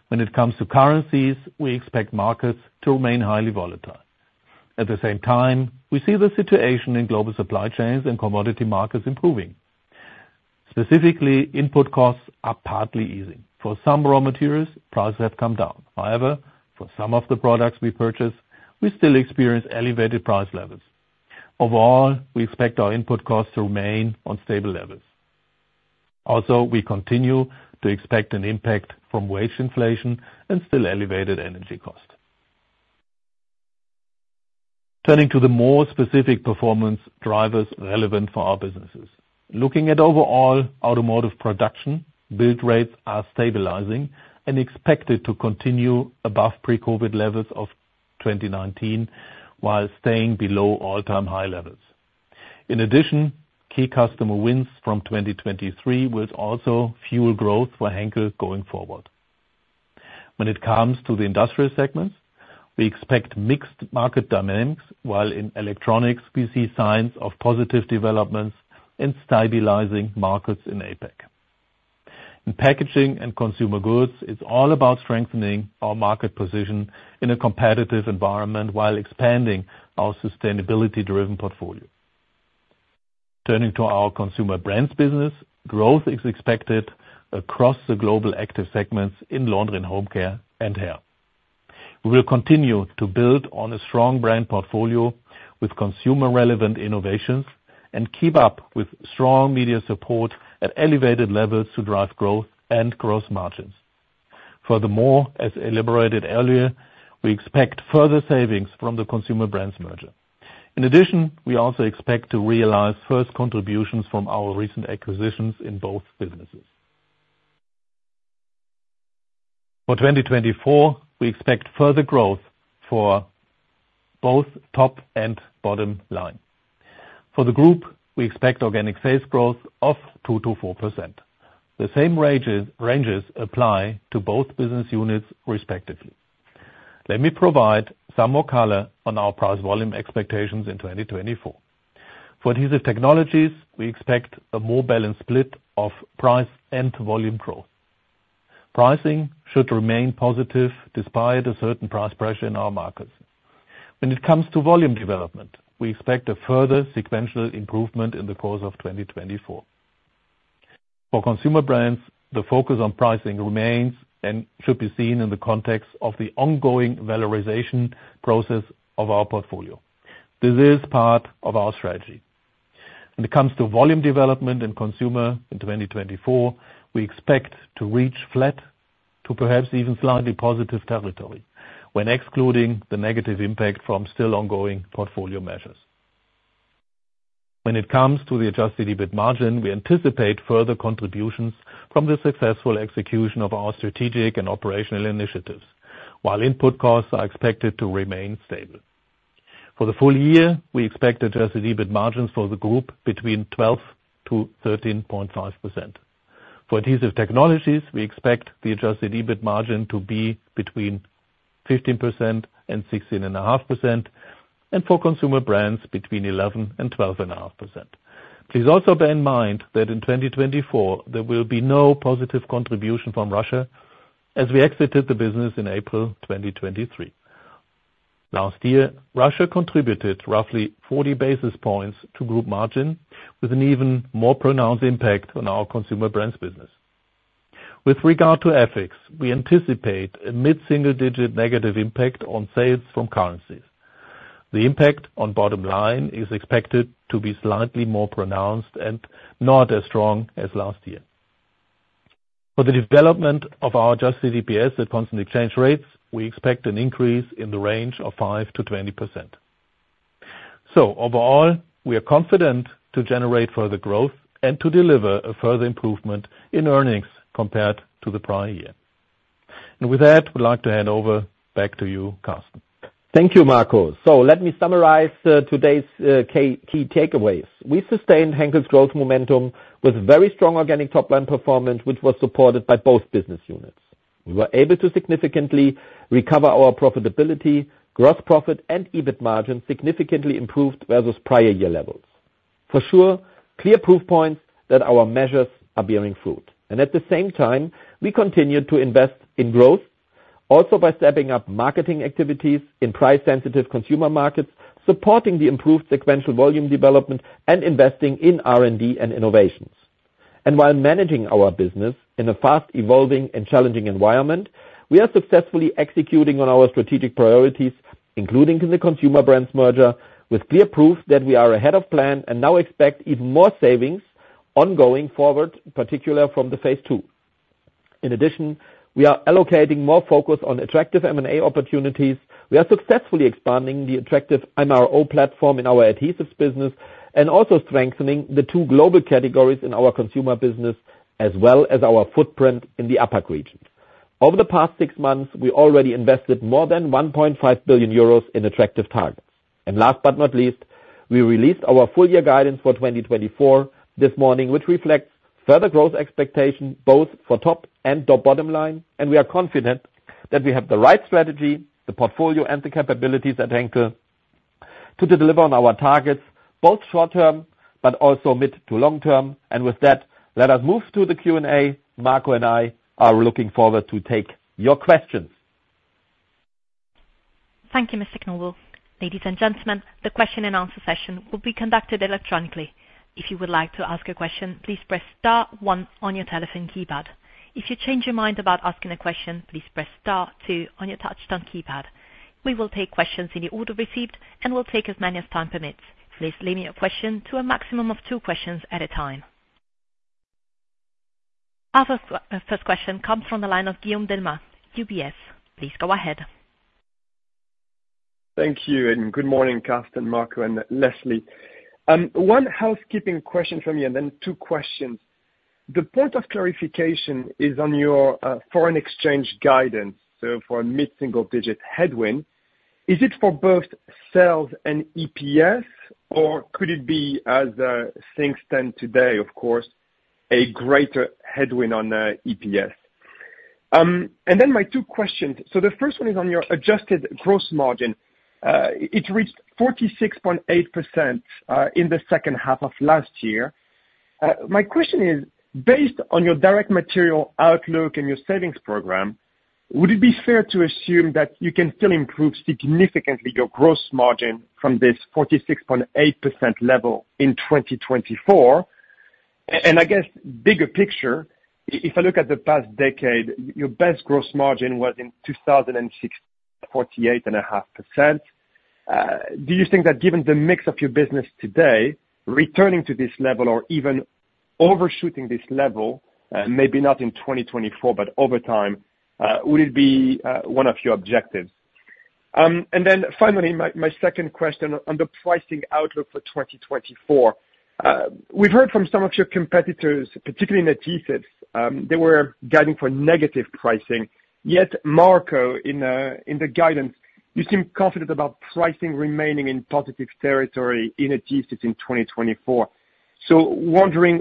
When it comes to currencies, we expect markets to remain highly volatile. At the same time, we see the situation in global supply chains and commodity markets improving. Specifically, input costs are partly easing. For some raw materials, prices have come down. However, for some of the products we purchase, we still experience elevated price levels. Overall, we expect our input costs to remain on stable levels. Also, we continue to expect an impact from wage inflation and still elevated energy cost. Turning to the more specific performance drivers relevant for our businesses. Looking at overall automotive production, build rates are stabilizing and expected to continue above pre-COVID levels of 2019, while staying below all-time high levels. In addition, key customer wins from 2023 will also fuel growth for Henkel going forward. When it comes to the industrial segments, we expect mixed market dynamics, while in electronics, we see signs of positive developments in stabilizing markets in APAC. In packaging and consumer goods, it's all about strengthening our market position in a competitive environment while expanding our sustainability-driven portfolio. Turning to our Consumer Brands business, growth is expected across the global active segments in laundry and home care and Hair. We will continue to build on a strong brand portfolio with consumer-relevant innovations, and keep up with strong media support at elevated levels to drive growth and growth margins. Furthermore, as elaborated earlier, we expect further savings from the Consumer Brands merger. In addition, we also expect to realize first contributions from our recent acquisitions in both businesses. For 2024, we expect further growth for both top and bottom line. For the group, we expect organic sales growth of 2%-4%. The same ranges apply to both business units, respectively. Let me provide some more color on our price volume expectations in 2024. For Adhesive Technologies, we expect a more balanced split of price and volume growth. Pricing should remain positive, despite a certain price pressure in our markets. When it comes to volume development, we expect a further sequential improvement in the course of 2024. For Consumer Brands, the focus on pricing remains and should be seen in the context of the ongoing valorization process of our portfolio. This is part of our strategy. When it comes to volume development in Consumer in 2024, we expect to reach flat to perhaps even slightly positive territory when excluding the negative impact from still ongoing portfolio measures. When it comes to the Adjusted EBIT margin, we anticipate further contributions from the successful execution of our strategic and operational initiatives, while input costs are expected to remain stable.... For the full year, we expect Adjusted EBIT margins for the group between 12%-13.5%. For Adhesive Technologies, we expect the Adjusted EBIT margin to be between 15%-16.5%, and for Consumer Brands, between 11%-12.5%. Please also bear in mind that in 2024, there will be no positive contribution from Russia, as we exited the business in April 2023. Last year, Russia contributed roughly 40 basis points to group margin, with an even more pronounced impact on our Consumer Brands business. With regard to FX, we anticipate a mid-single digit negative impact on sales from currencies. The impact on bottom line is expected to be slightly more pronounced and not as strong as last year. For the development of our adjusted EPS at constant exchange rates, we expect an increase in the range of 5%-20%. So overall, we are confident to generate further growth and to deliver a further improvement in earnings compared to the prior year. And with that, I would like to hand over back to you, Carsten. Thank you, Marco. So let me summarize today's key takeaways. We sustained Henkel's growth momentum with very strong organic top-line performance, which was supported by both business units. We were able to significantly recover our profitability, gross profit and EBIT margin significantly improved versus prior year levels. For sure, clear proof points that our measures are bearing fruit, and at the same time, we continued to invest in growth, also by stepping up marketing activities in price-sensitive consumer markets, supporting the improved sequential volume development and investing in R&D and innovations. And while managing our business in a fast evolving and challenging environment, we are successfully executing on our strategic priorities, including in the Consumer Brands merger, with clear proof that we are ahead of plan and now expect even more savings going forward, particularly from phase two. In addition, we are allocating more focus on attractive M&A opportunities. We are successfully expanding the attractive MRO platform in our adhesives business and also strengthening the two global categories in our consumer business, as well as our footprint in the APAC regions. Over the past six months, we already invested more than 1.5 billion euros in attractive targets. And last but not least, we released our full year guidance for 2024 this morning, which reflects further growth expectation both for top and the bottom line. And we are confident that we have the right strategy, the portfolio, and the capabilities at Henkel to deliver on our targets, both short term, but also mid to long term. And with that, let us move to the Q&A. Marco and I are looking forward to take your questions. Thank you, Mr. Knobel. Ladies and gentlemen, the question and answer session will be conducted electronically. If you would like to ask a question, please press star one on your telephone keypad. If you change your mind about asking a question, please press star two on your touchtone keypad. We will take questions in the order received and will take as many as time permits. Please limit your question to a maximum of two questions at a time. Our first, first question comes from the line of Guillaume Delmas, UBS. Please go ahead. Thank you, and good morning, Carsten, Marco, and Leslie. One housekeeping question from me, and then two questions. The point of clarification is on your foreign exchange guidance, so for a mid-single digit headwind, is it for both sales and EPS, or could it be, as things stand today, of course, a greater headwind on EPS? And then my two questions: So the first one is on your adjusted gross margin. It reached 46.8% in the second half of last year. My question is, based on your direct material outlook and your savings program, would it be fair to assume that you can still improve significantly your gross margin from this 46.8% level in 2024? And I guess, bigger picture, if I look at the past decade, your best gross margin was in 2006, 48.5%. Do you think that given the mix of your business today, returning to this level or even overshooting this level, maybe not in 2024, but over time, would it be one of your objectives? And then finally, my second question on the pricing outlook for 2024. We've heard from some of your competitors, particularly in adhesives, they were guiding for negative pricing. Yet, Marco, in the guidance, you seem confident about pricing remaining in positive territory in adhesives in 2024. So wondering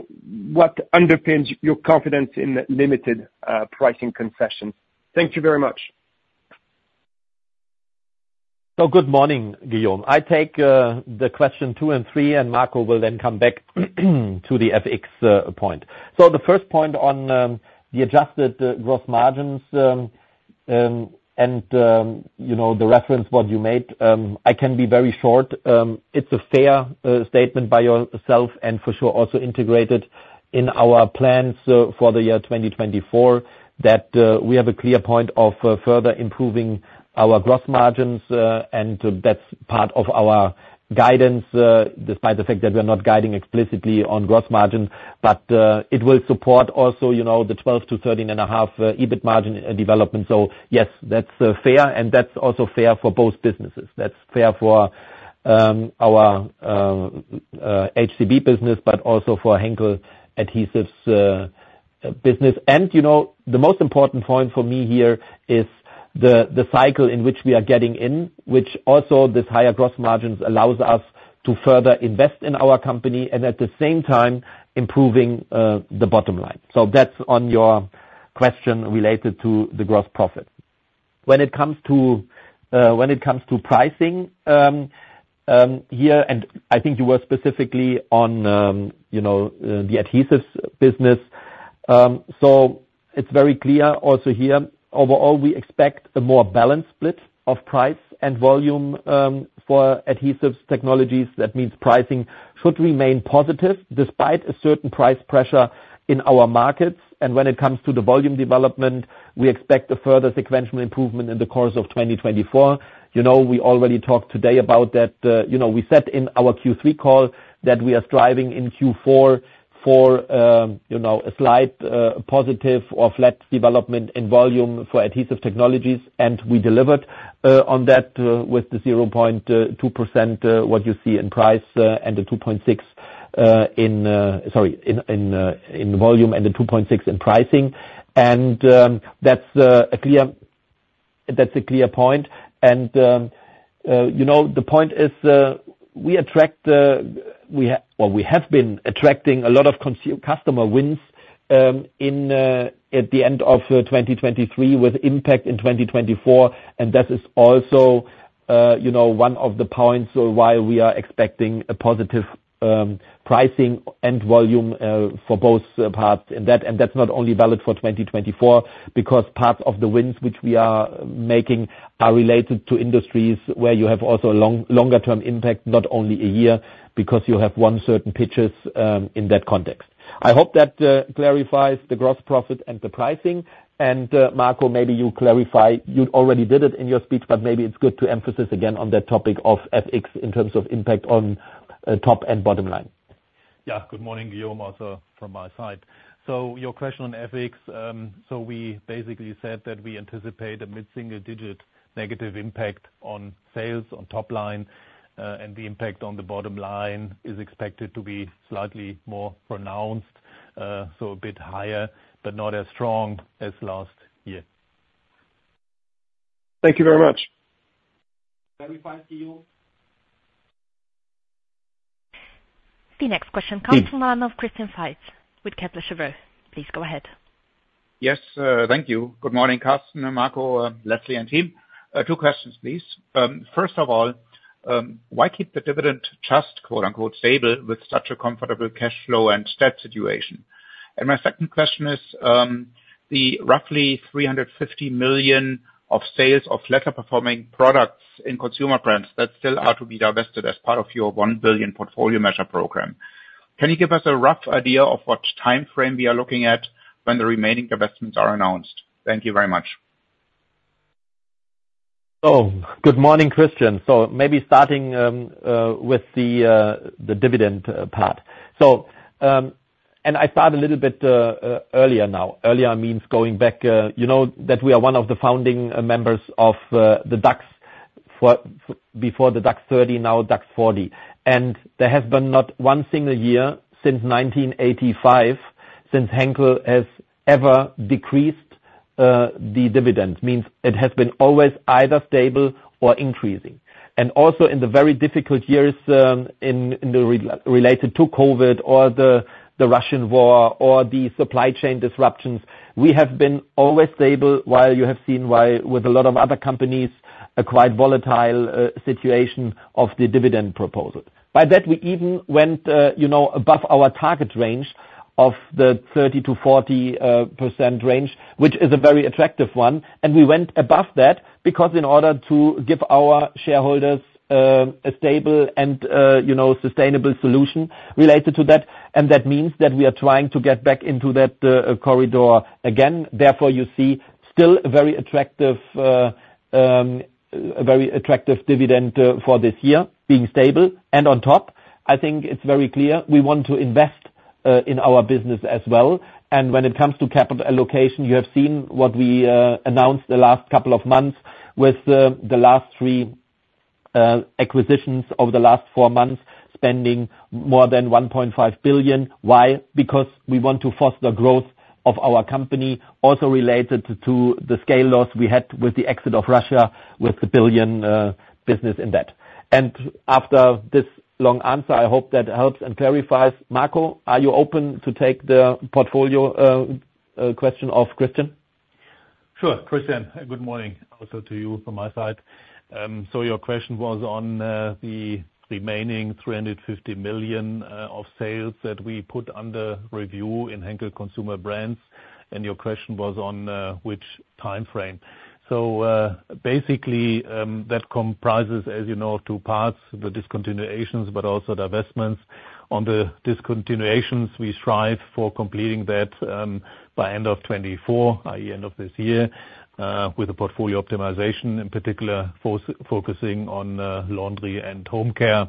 what underpins your confidence in limited pricing concessions? Thank you very much. So good morning, Guillaume. I take the question two and three, and Marco will then come back to the FX point. So the first point on the adjusted gross margins, and you know, the reference what you made, I can be very short. It's a fair statement by yourself, and for sure, also integrated in our plans for the year 2024, that we have a clear point of further improving our gross margins, and that's part of our guidance, despite the fact that we're not guiding explicitly on gross margin. But it will support also, you know, the 12%-13.5% EBIT margin development. So yes, that's fair, and that's also fair for both businesses. That's fair for our HCB business, but also for Henkel Adhesive Technologies business. You know, the most important point for me here is the cycle in which we are getting in, which also this higher gross margins allows us to further invest in our company and at the same time improving the bottom line. So that's on your question related to the gross profit. When it comes to pricing here, and I think you were specifically on you know the adhesives business. So it's very clear also here, overall, we expect a more balanced split of price and volume for Adhesive Technologies. That means pricing should remain positive despite a certain price pressure in our markets. When it comes to the volume development, we expect a further sequential improvement in the course of 2024. You know, we already talked today about that. You know, we said in our Q3 call that we are striving in Q4 for you know, a slight positive or flat development in volume for Adhesive Technologies, and we delivered on that with the 0.2% what you see in price and the 2.6% in volume and the 2.6% in pricing. That's a clear point. You know, the point is, we attract, or we have been attracting a lot of customer wins, in at the end of 2023, with impact in 2024. That is also, you know, one of the points of why we are expecting a positive pricing and volume for both parts. That's not only valid for 2024, because parts of the wins which we are making are related to industries where you have also a longer term impact, not only a year, because you have won certain pitches, in that context. I hope that clarifies the gross profit and the pricing. Marco, maybe you clarify. You already did it in your speech, but maybe it's good to emphasize again on that topic of FX in terms of impact on top and bottom line. Yeah, good morning, Guillaume, also from my side. So your question on FX. So we basically said that we anticipate a mid-single digit negative impact on sales, on top line, and the impact on the bottom line is expected to be slightly more pronounced, so a bit higher, but not as strong as last year. Thank you very much. Verified to you? The next question comes from line of Christian Faitz with Kepler Cheuvreux. Please go ahead. Yes, thank you. Good morning, Carsten and Marco, Leslie, and team. 2 questions, please. First of all, why keep the dividend just, quote, unquote, "stable" with such a comfortable cash flow and stat situation? And my second question is, the roughly 350 million of sales of lesser performing products in Consumer Brands that still are to be divested as part of your 1 billion portfolio measure program. Can you give us a rough idea of what timeframe we are looking at when the remaining divestments are announced? Thank you very much. So, good morning, Christian. So maybe starting with the dividend part. So, and I start a little bit earlier now. Earlier means going back, you know, that we are one of the founding members of the DAX, formed before the DAX 30, now DAX 40. And there has been not one single year since 1985, since Henkel has ever decreased the dividend. Means it has been always either stable or increasing. And also in the very difficult years related to COVID, or the Russian war, or the supply chain disruptions, we have been always stable, while you have seen why, with a lot of other companies, a quite volatile situation of the dividend proposal. By that, we even went, you know, above our target range of the 30%-40% range, which is a very attractive one. And we went above that, because in order to give our shareholders, a stable and, you know, sustainable solution related to that, and that means that we are trying to get back into that, corridor again. Therefore, you see still a very attractive, a very attractive dividend, for this year, being stable. And on top, I think it's very clear we want to invest, in our business as well. And when it comes to capital allocation, you have seen what we, announced the last couple of months with, the last three, acquisitions over the last four months, spending more than 1.5 billion. Why? Because we want to foster growth of our company, also related to the scale loss we had with the exit of Russia, with the 1 billion business in that. And after this long answer, I hope that helps and clarifies. Marco, are you open to take the portfolio question of Christian? Sure, Christian, good morning also to you from my side. So your question was on the remaining 350 million of sales that we put under review in Henkel Consumer Brands, and your question was on which timeframe. So basically, that comprises, as you know, two parts, the discontinuations, but also divestments. On the discontinuations, we strive for completing that by end of 2024, i.e., end of this year, with a portfolio optimization, in particular, focusing on laundry and home care.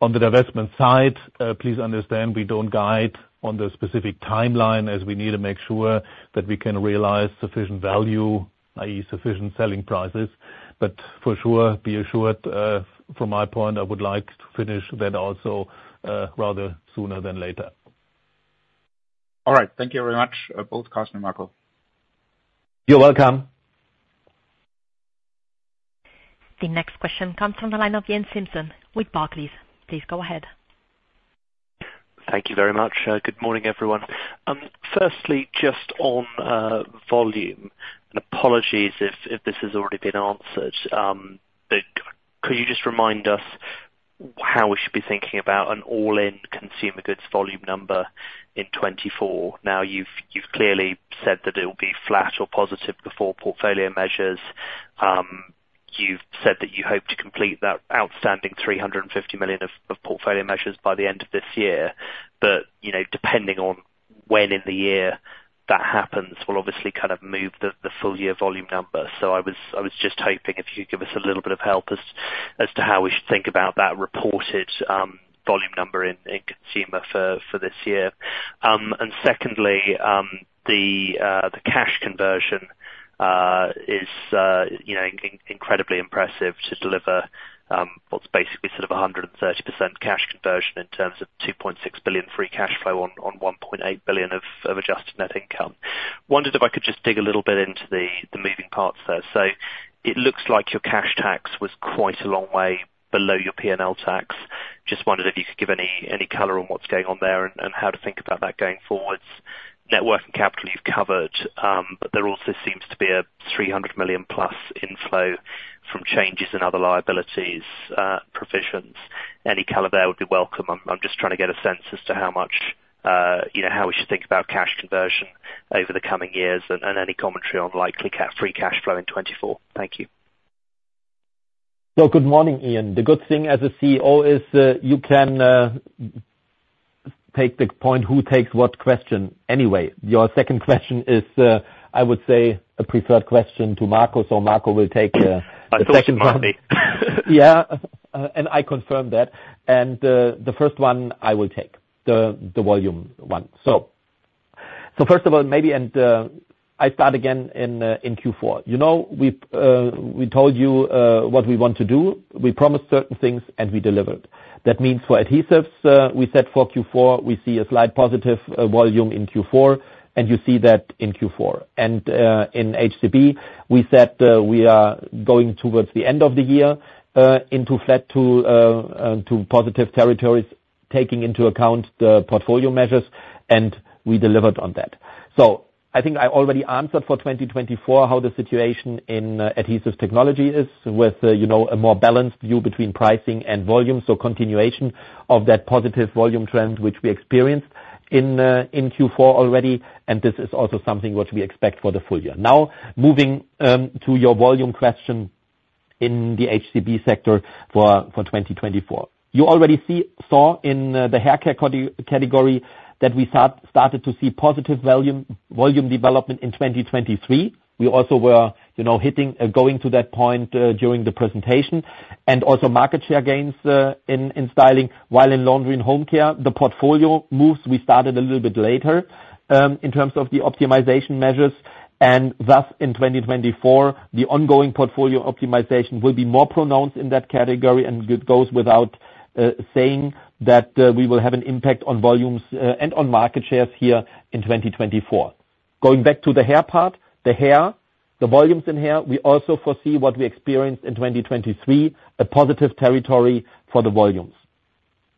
On the divestment side, please understand, we don't guide on the specific timeline, as we need to make sure that we can realize sufficient value, i.e., sufficient selling prices. But for sure, be assured, from my point, I would like to finish that also rather sooner than later. All right. Thank you very much, both Carsten and Marco. You're welcome. The next question comes from the line of Iain Simpson with Barclays. Please go ahead. Thank you very much. Good morning, everyone. Firstly, just on volume, and apologies if this has already been answered. But could you just remind us how we should be thinking about an all-in consumer goods volume number in 2024? Now you've clearly said that it will be flat or positive before portfolio measures. You've said that you hope to complete that outstanding 350 million of portfolio measures by the end of this year. But you know, depending on when in the year that happens, will obviously kind of move the full year volume number. So I was just hoping if you could give us a little bit of help as to how we should think about that reported volume number in consumer for this year. And secondly, the cash conversion is, you know, incredibly impressive to deliver what's basically sort of a 130% cash conversion in terms of 2.6 billion free cash flow on 1.8 billion of adjusted net income. Wondered if I could just dig a little bit into the moving parts there. So it looks like your cash tax was quite a long way below your P&L tax. Just wondered if you could give any color on what's going on there and how to think about that going forward. Network capital you've covered, but there also seems to be a 300 million plus inflow from changes in other liabilities, provisions. Any color there would be welcome. I'm just trying to get a sense as to how much, you know, how we should think about cash conversion over the coming years and any commentary on likely free cash flow in 2024. Thank you. Good morning, Ian. The good thing as a CEO is, you can take the point, who takes what question anyway. Your second question is, I would say a preferred question to Marco, so Marco will take the second one. So smartly. Yeah, and I confirm that, and, the first one I will take, the, the volume one. So first of all, maybe, and, I start again in, in Q4. You know, we've we told you, what we want to do. We promised certain things, and we delivered. That means for adhesives, we said for Q4, we see a slight positive, volume in Q4, and you see that in Q4. And, in HCB, we said, we are going towards the end of the year, into flat to positive territories, taking into account the portfolio measures, and we delivered on that. So I think I already answered for 2024, how the situation Adhesive Technologies is with, you know, a more balanced view between pricing and volume. Continuation of that positive volume trend, which we experienced in Q4 already, and this is also something which we expect for the full year. Now, moving to your volume question in the HCB sector for 2024. You already saw in the Hair care category that we started to see positive volume development in 2023. We also were, you know, hitting going to that point during the presentation. And also market share gains in styling. While in laundry and home care, the portfolio moves, we started a little bit later in terms of the optimization measures. Thus, in 2024, the ongoing portfolio optimization will be more pronounced in that category, and it goes without saying that we will have an impact on volumes and on market shares here in 2024. Going back to the Hair part, the Hair, the volumes in Hair, we also foresee what we experienced in 2023, a positive territory for the volumes.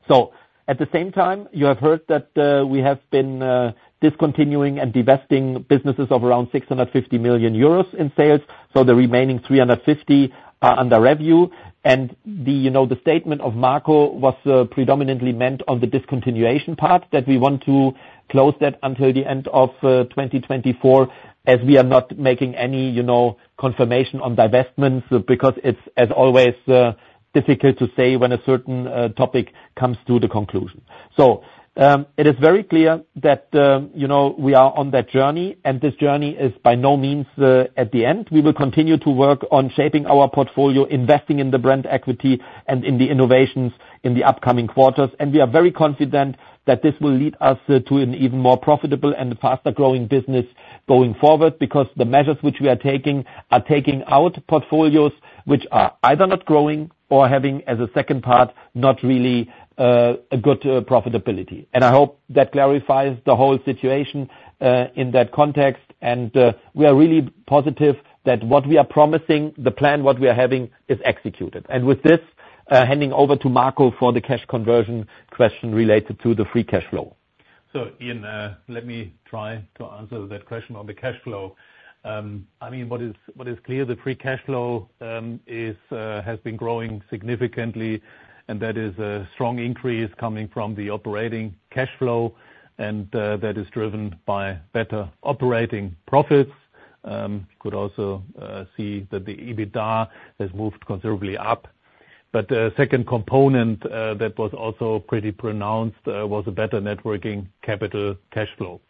So at the same time, you have heard that we have been discontinuing and divesting businesses of around 650 million euros in sales, so the remaining 350 million are under review. The, you know, the statement of Marco was predominantly meant on the discontinuation part, that we want to close that until the end of 2024, as we are not making any, you know, confirmation on divestments, because it's, as always, difficult to say when a certain topic comes to the conclusion. So, it is very clear that, you know, we are on that journey, and this journey is by no means at the end. We will continue to work on shaping our portfolio, investing in the brand equity and in the innovations in the upcoming quarters. We are very confident that this will lead us to an even more profitable and faster-growing business going forward, because the measures which we are taking are taking out portfolios which are either not growing or having, as a second part, not really a good profitability. And I hope that clarifies the whole situation in that context. And we are really positive that what we are promising, the plan, what we are having, is executed. And with this, handing over to Marco for the cash conversion question related to the free cash flow. So Ian, let me try to answer that question on the cash flow. I mean, what is, what is clear, the free cash flow is, has been growing significantly, and that is a strong increase coming from the operating cash flow, and, that is driven by better operating profits. Could also see that the EBITDA has moved considerably up. But the second component, that was also pretty pronounced, was a better net working capital cash flow.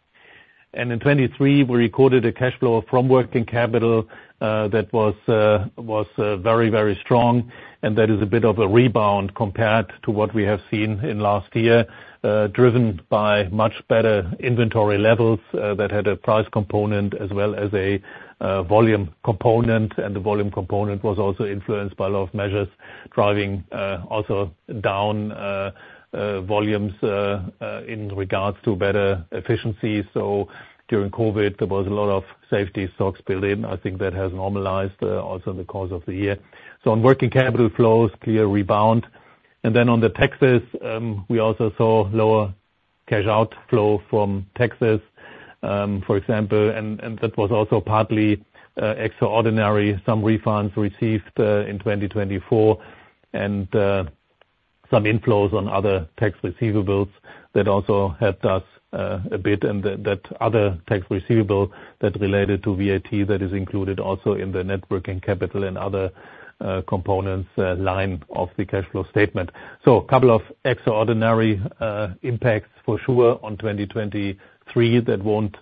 In 2023, we recorded a cash flow from working capital that was very, very strong, and that is a bit of a rebound compared to what we have seen in last year, driven by much better inventory levels that had a price component as well as a volume component, and the volume component was also influenced by a lot of measures driving also down volumes in regards to better efficiency. So during COVID, there was a lot of safety stocks built in. I think that has normalized also in the course of the year. So on working capital flows, clear rebound. And then on the taxes, we also saw lower cash outflow from taxes, for example, and that was also partly extraordinary. Some refunds received in 2024, and some inflows on other tax receivables that also helped us a bit. And that other tax receivable that related to VAT, that is included also in the net working capital and other components line of the cash flow statement. So couple of extraordinary impacts for sure on 2023 that won't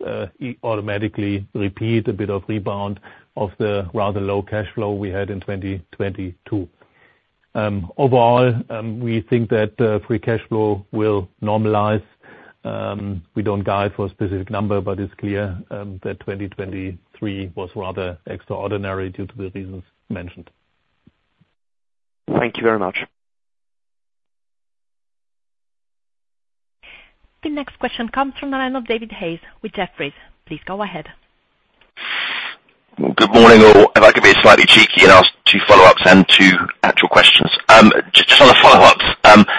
automatically repeat a bit of rebound of the rather low cash flow we had in 2022. Overall, we think that free cash flow will normalize. We don't guide for a specific number, but it's clear that 2023 was rather extraordinary due to the reasons mentioned. Thank you very much. The next question comes from the line of David Hayes with Jefferies. Please go ahead. Well, good morning, all. If I could be slightly cheeky and ask two follow-ups and two actual questions. Just on the follow-ups,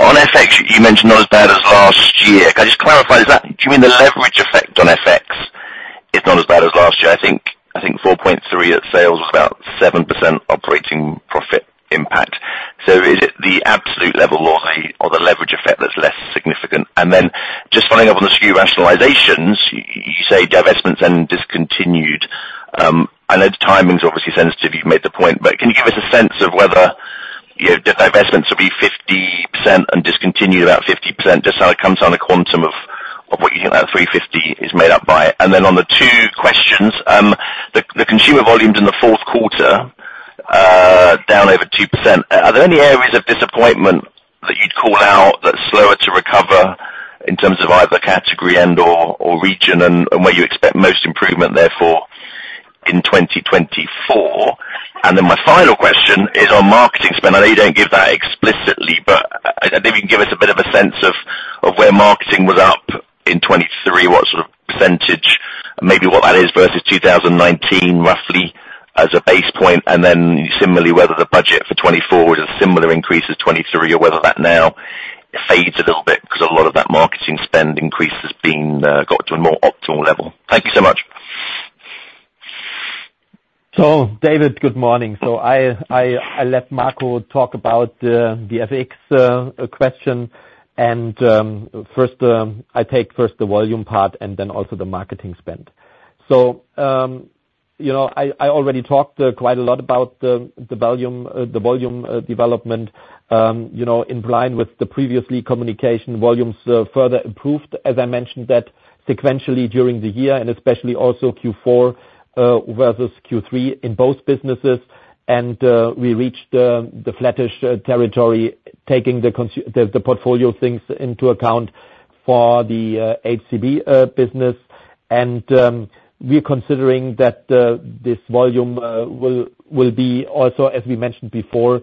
on FX, you mentioned not as bad as last year. Can I just clarify, is that, do you mean the leverage effect on FX is not as bad as last year? I think, I think 4.3 at sales, about 7% operating profit impact. So is it the absolute level or, or the leverage effect that's less significant? And then just following up on the SKU rationalizations, you say divestments and discontinued. I know the timing's obviously sensitive, you've made the point, but can you give us a sense of whether, you know, divestments will be 50% and discontinued about 50%? Just how it comes on the quantum of, of what you think that 350 is made up by. And then on the two questions, the consumer volumes in the fourth quarter, down over 2%. Are there any areas of disappointment that you'd call out that's slower to recover in terms of either category and/or, or region, and, and where you expect most improvement, therefore, in 2024? And then my final question is on marketing spend. I know you don't give that explicitly, but I, I think you can give us a bit of a sense of, of where marketing was up in 2023, what sort of percentage, maybe what that is, versus 2019, roughly, as a base point. Then similarly, whether the budget for 2024 is a similar increase as 2023, or whether that now fades a little bit, 'cause a lot of that marketing spend increase has been got to a more optimal level? Thank you so much. So, David, good morning. So I let Marco talk about the FX question. And first, I take first the volume part and then also the marketing spend. So you know, I already talked quite a lot about the volume development. You know, in line with the previous communication, volumes further improved, as I mentioned, that sequentially during the year, and especially also Q4 versus Q3 in both businesses. And we reached the flattish territory, taking the portfolio things into account for the HCB business. And we're considering that this volume will be also, as we mentioned before,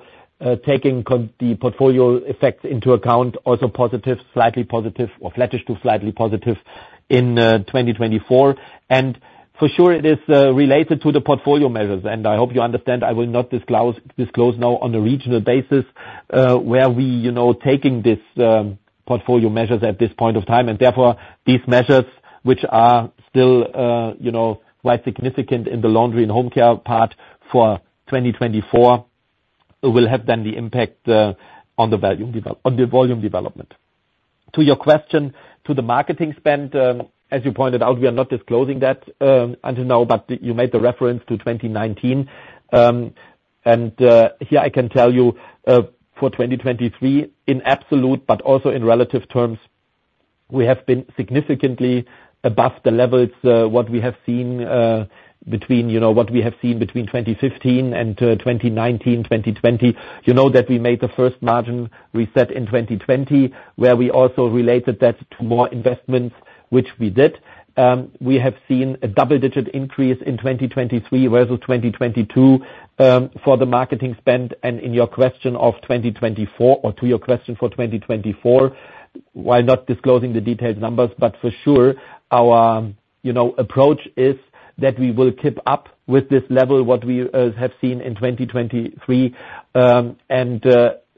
taking the portfolio effects into account, also positive, slightly positive, or flattish to slightly positive in 2024. And for sure, it is related to the portfolio measures. And I hope you understand, I will not disclose, disclose now on a regional basis, where we, you know, taking this portfolio measures at this point of time. And therefore, these measures, which are still, you know, quite significant in the laundry and home care part for 2024, will have then the impact on the volume devel- on the volume development. To your question, to the marketing spend, as you pointed out, we are not disclosing that until now, but you made the reference to 2019. And here I can tell you for 2023, in absolute but also in relative terms, we have been significantly above the levels what we have seen between, you know, what we have seen between 2015 and 2019, 2020. You know that we made the first margin reset in 2020, where we also related that to more investments, which we did. We have seen a double-digit increase in 2023 versus 2022 for the marketing spend. And in your question of 2024, or to your question for 2024, while not disclosing the detailed numbers, but for sure, our, you know, approach is that we will keep up with this level what we have seen in 2023.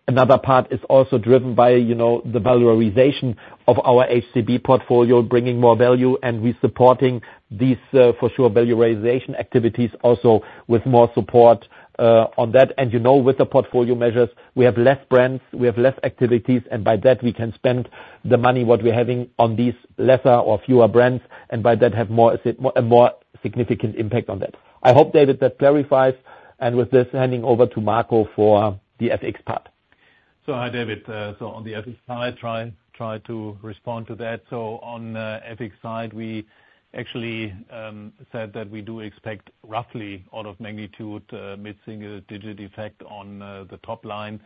Another part is also driven by, you know, the valorization of our HCB portfolio, bringing more value, and we supporting these, for sure, valorization activities also with more support, on that. And, you know, with the portfolio measures, we have less brands, we have less activities, and by that we can spend the money, what we're having, on these lesser or fewer brands, and by that have more, a more significant impact on that. I hope, David, that clarifies, and with this, handing over to Marco for the FX part. So hi, David. So on the FX side, try, try to respond to that. So on, FX side, we actually, said that we do expect roughly out of magnitude, mid-single digit effect on, the top line.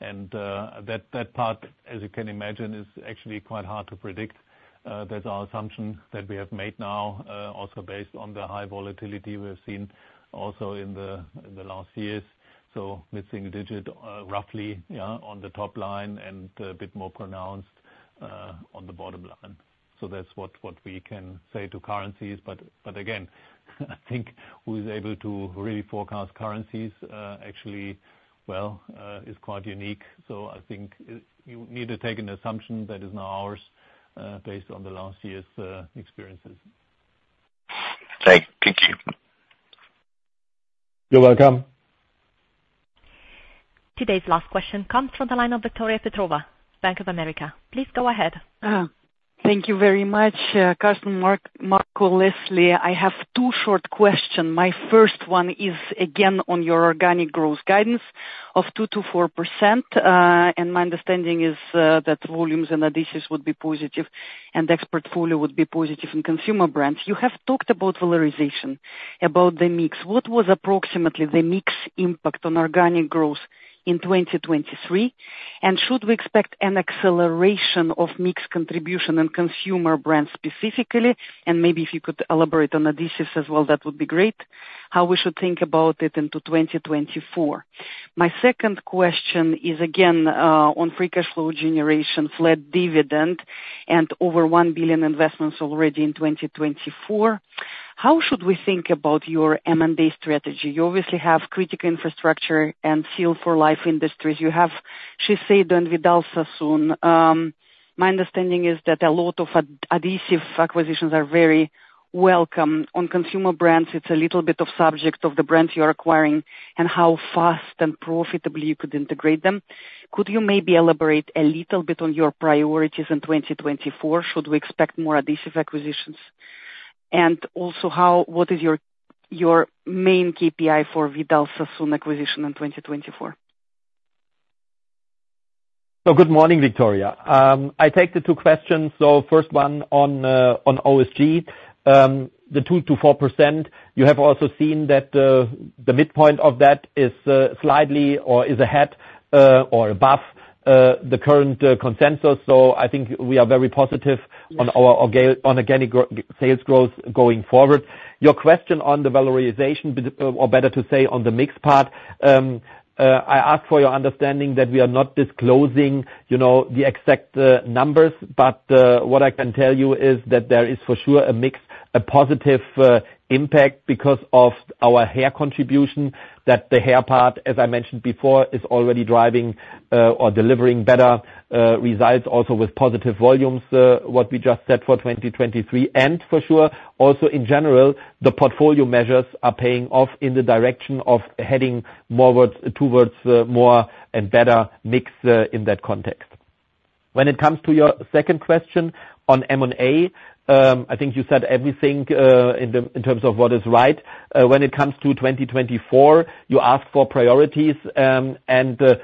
And, that, that part, as you can imagine, is actually quite hard to predict. That's our assumption that we have made now, also based on the high volatility we have seen also in the, in the last years. So mid-single digit, roughly, yeah, on the top line, and a bit more pronounced, on the bottom line. So that's what, what we can say to currencies. But, but again, I think who is able to really forecast currencies, actually, well, is quite unique. So I think you need to take an assumption that is now ours, based on the last year's experiences. Thank you. You're welcome. Today's last question comes from the line of Victoria Petrova, Bank of America. Please go ahead. Thank you very much, Carsten, Marco, Leslie. I have two short question. My first one is again, on your organic growth guidance of 2%-4%. My understanding is, that volumes and adhesives would be positive and ex portfolio would be positive in Consumer Brands. You have talked about valorization, about the mix. What was approximately the mix impact on organic growth in 2023? And should we expect an acceleration of mix contribution in Consumer Brands specifically? And maybe if you could elaborate on adhesives as well, that would be great, how we should think about it into 2024. My second question is again, on free cash flow generation, flat dividend, and over 1 billion investments already in 2024. How should we think about your M&A strategy? You obviously have Critica Infrastructure and Seal for Life Industries. You have Shiseido and Vidal Sassoon. My understanding is that a lot of adhesive acquisitions are very welcome. On Consumer Brands, it's a little bit of subject of the brands you're acquiring and how fast and profitably you could integrate them. Could you maybe elaborate a little bit on your priorities in 2024? Should we expect more adhesive acquisitions? And also, how, what is your, your main KPI for Vidal Sassoon acquisition in 2024? So good morning, Victoria. I take the two questions. So first one on on OSG. The 2%-4%, you have also seen that the midpoint of that is slightly or is ahead or above the current consensus. So I think we are very positive- Yes. On our organic sales growth going forward. Your question on the valorization, or better to say, on the mix part, I ask for your understanding that we are not disclosing, you know, the exact numbers. But, what I can tell you is that there is for sure a mix, a positive impact, because of our Hair contribution, that the Hair part, as I mentioned before, is already driving or delivering better results also with positive volumes, what we just said for 2023. And for sure, also in general, the portfolio measures are paying off in the direction of heading more towards more and better mix in that context. When it comes to your second question on M&A, I think you said everything in terms of what is right. When it comes to 2024, you ask for priorities, and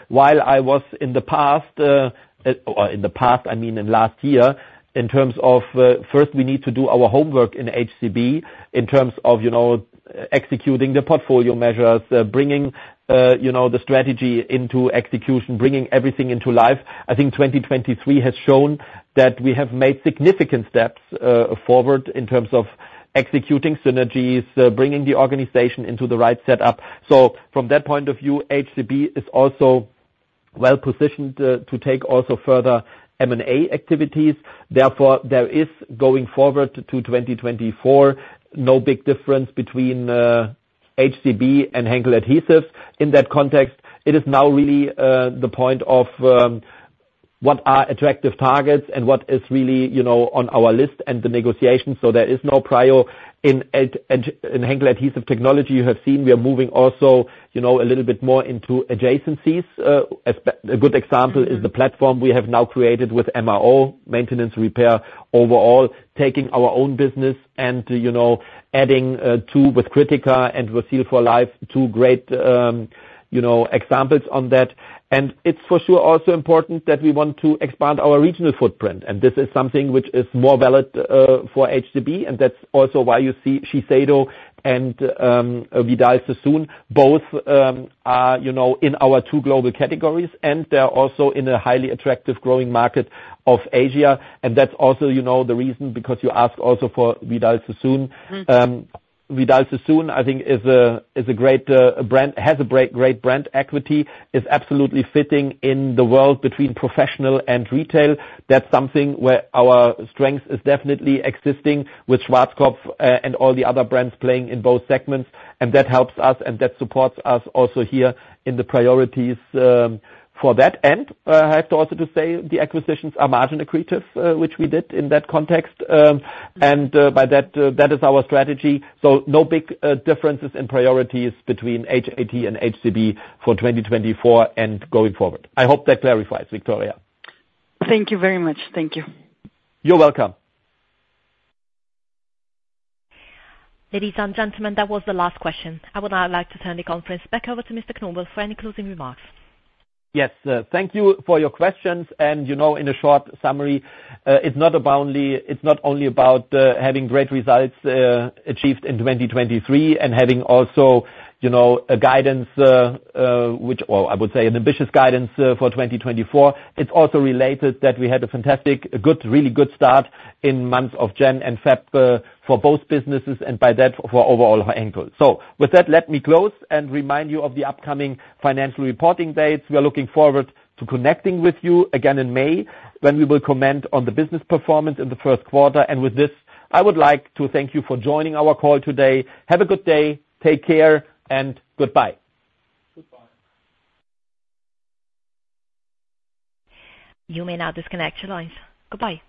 while I was in the past, or in the past, I mean in last year, in terms of, first we need to do our homework in HCB in terms of, you know, executing the portfolio measures, bringing, you know, the strategy into execution, bringing everything into life. I think 2023 has shown that we have made significant steps forward in terms of executing synergies, bringing the organization into the right setup. So from that point of view, HCB is also well positioned to take also further M&A activities. Therefore, there is going forward to 2024, no big difference between HCB and Henkel Adhesives. In that context, it is now really the point of what are attractive targets and what is really, you know, on our list and the negotiations. So there is no priority in Henkel Adhesive Technologies. You have seen we are moving also, you know, a little bit more into adjacencies. A good example is the platform we have now created with MRO, maintenance and repair. Overall, taking our own business and, you know, adding two with Critica and with Seal for Life, two great examples on that. It's for sure also important that we want to expand our regional footprint, and this is something which is more valid for HCB, and that's also why you see Shiseido and Vidal Sassoon, both are, you know, in our two global categories, and they're also in a highly attractive growing market of Asia. That's also, you know, the reason, because you ask also for Vidal Sassoon. Mm-hmm.Vidal Sassoon, I think is a great brand, has a great brand equity, is absolutely fitting in the world between professional and retail. That's something where our strength is definitely existing with Schwarzkopf, and all the other brands playing in both segments. That helps us and that supports us also here in the priorities for that. I have to also to say the acquisitions are margin accretive, which we did in that context. By that, that is our strategy. So no big differences in priorities between HAT and HCB for 2024 and going forward. I hope that clarifies, Victoria. Thank you very much. Thank you. You're welcome. Ladies and gentlemen, that was the last question. I would now like to turn the conference back over to Mr. Knobel for any closing remarks. Yes, thank you for your questions. And, you know, in a short summary, it's not only about having great results achieved in 2023 and having also, you know, a guidance, which. Or I would say an ambitious guidance for 2024. It's also related that we had a fantastic, a good, really good start in months of January and February for both businesses, and by that, for overall Henkel. So with that, let me close and remind you of the upcoming financial reporting dates. We are looking forward to connecting with you again in May, when we will comment on the business performance in the first quarter. And with this, I would like to thank you for joining our call today. Have a good day, take care, and goodbye. Goodbye. You may now disconnect your lines. Goodbye.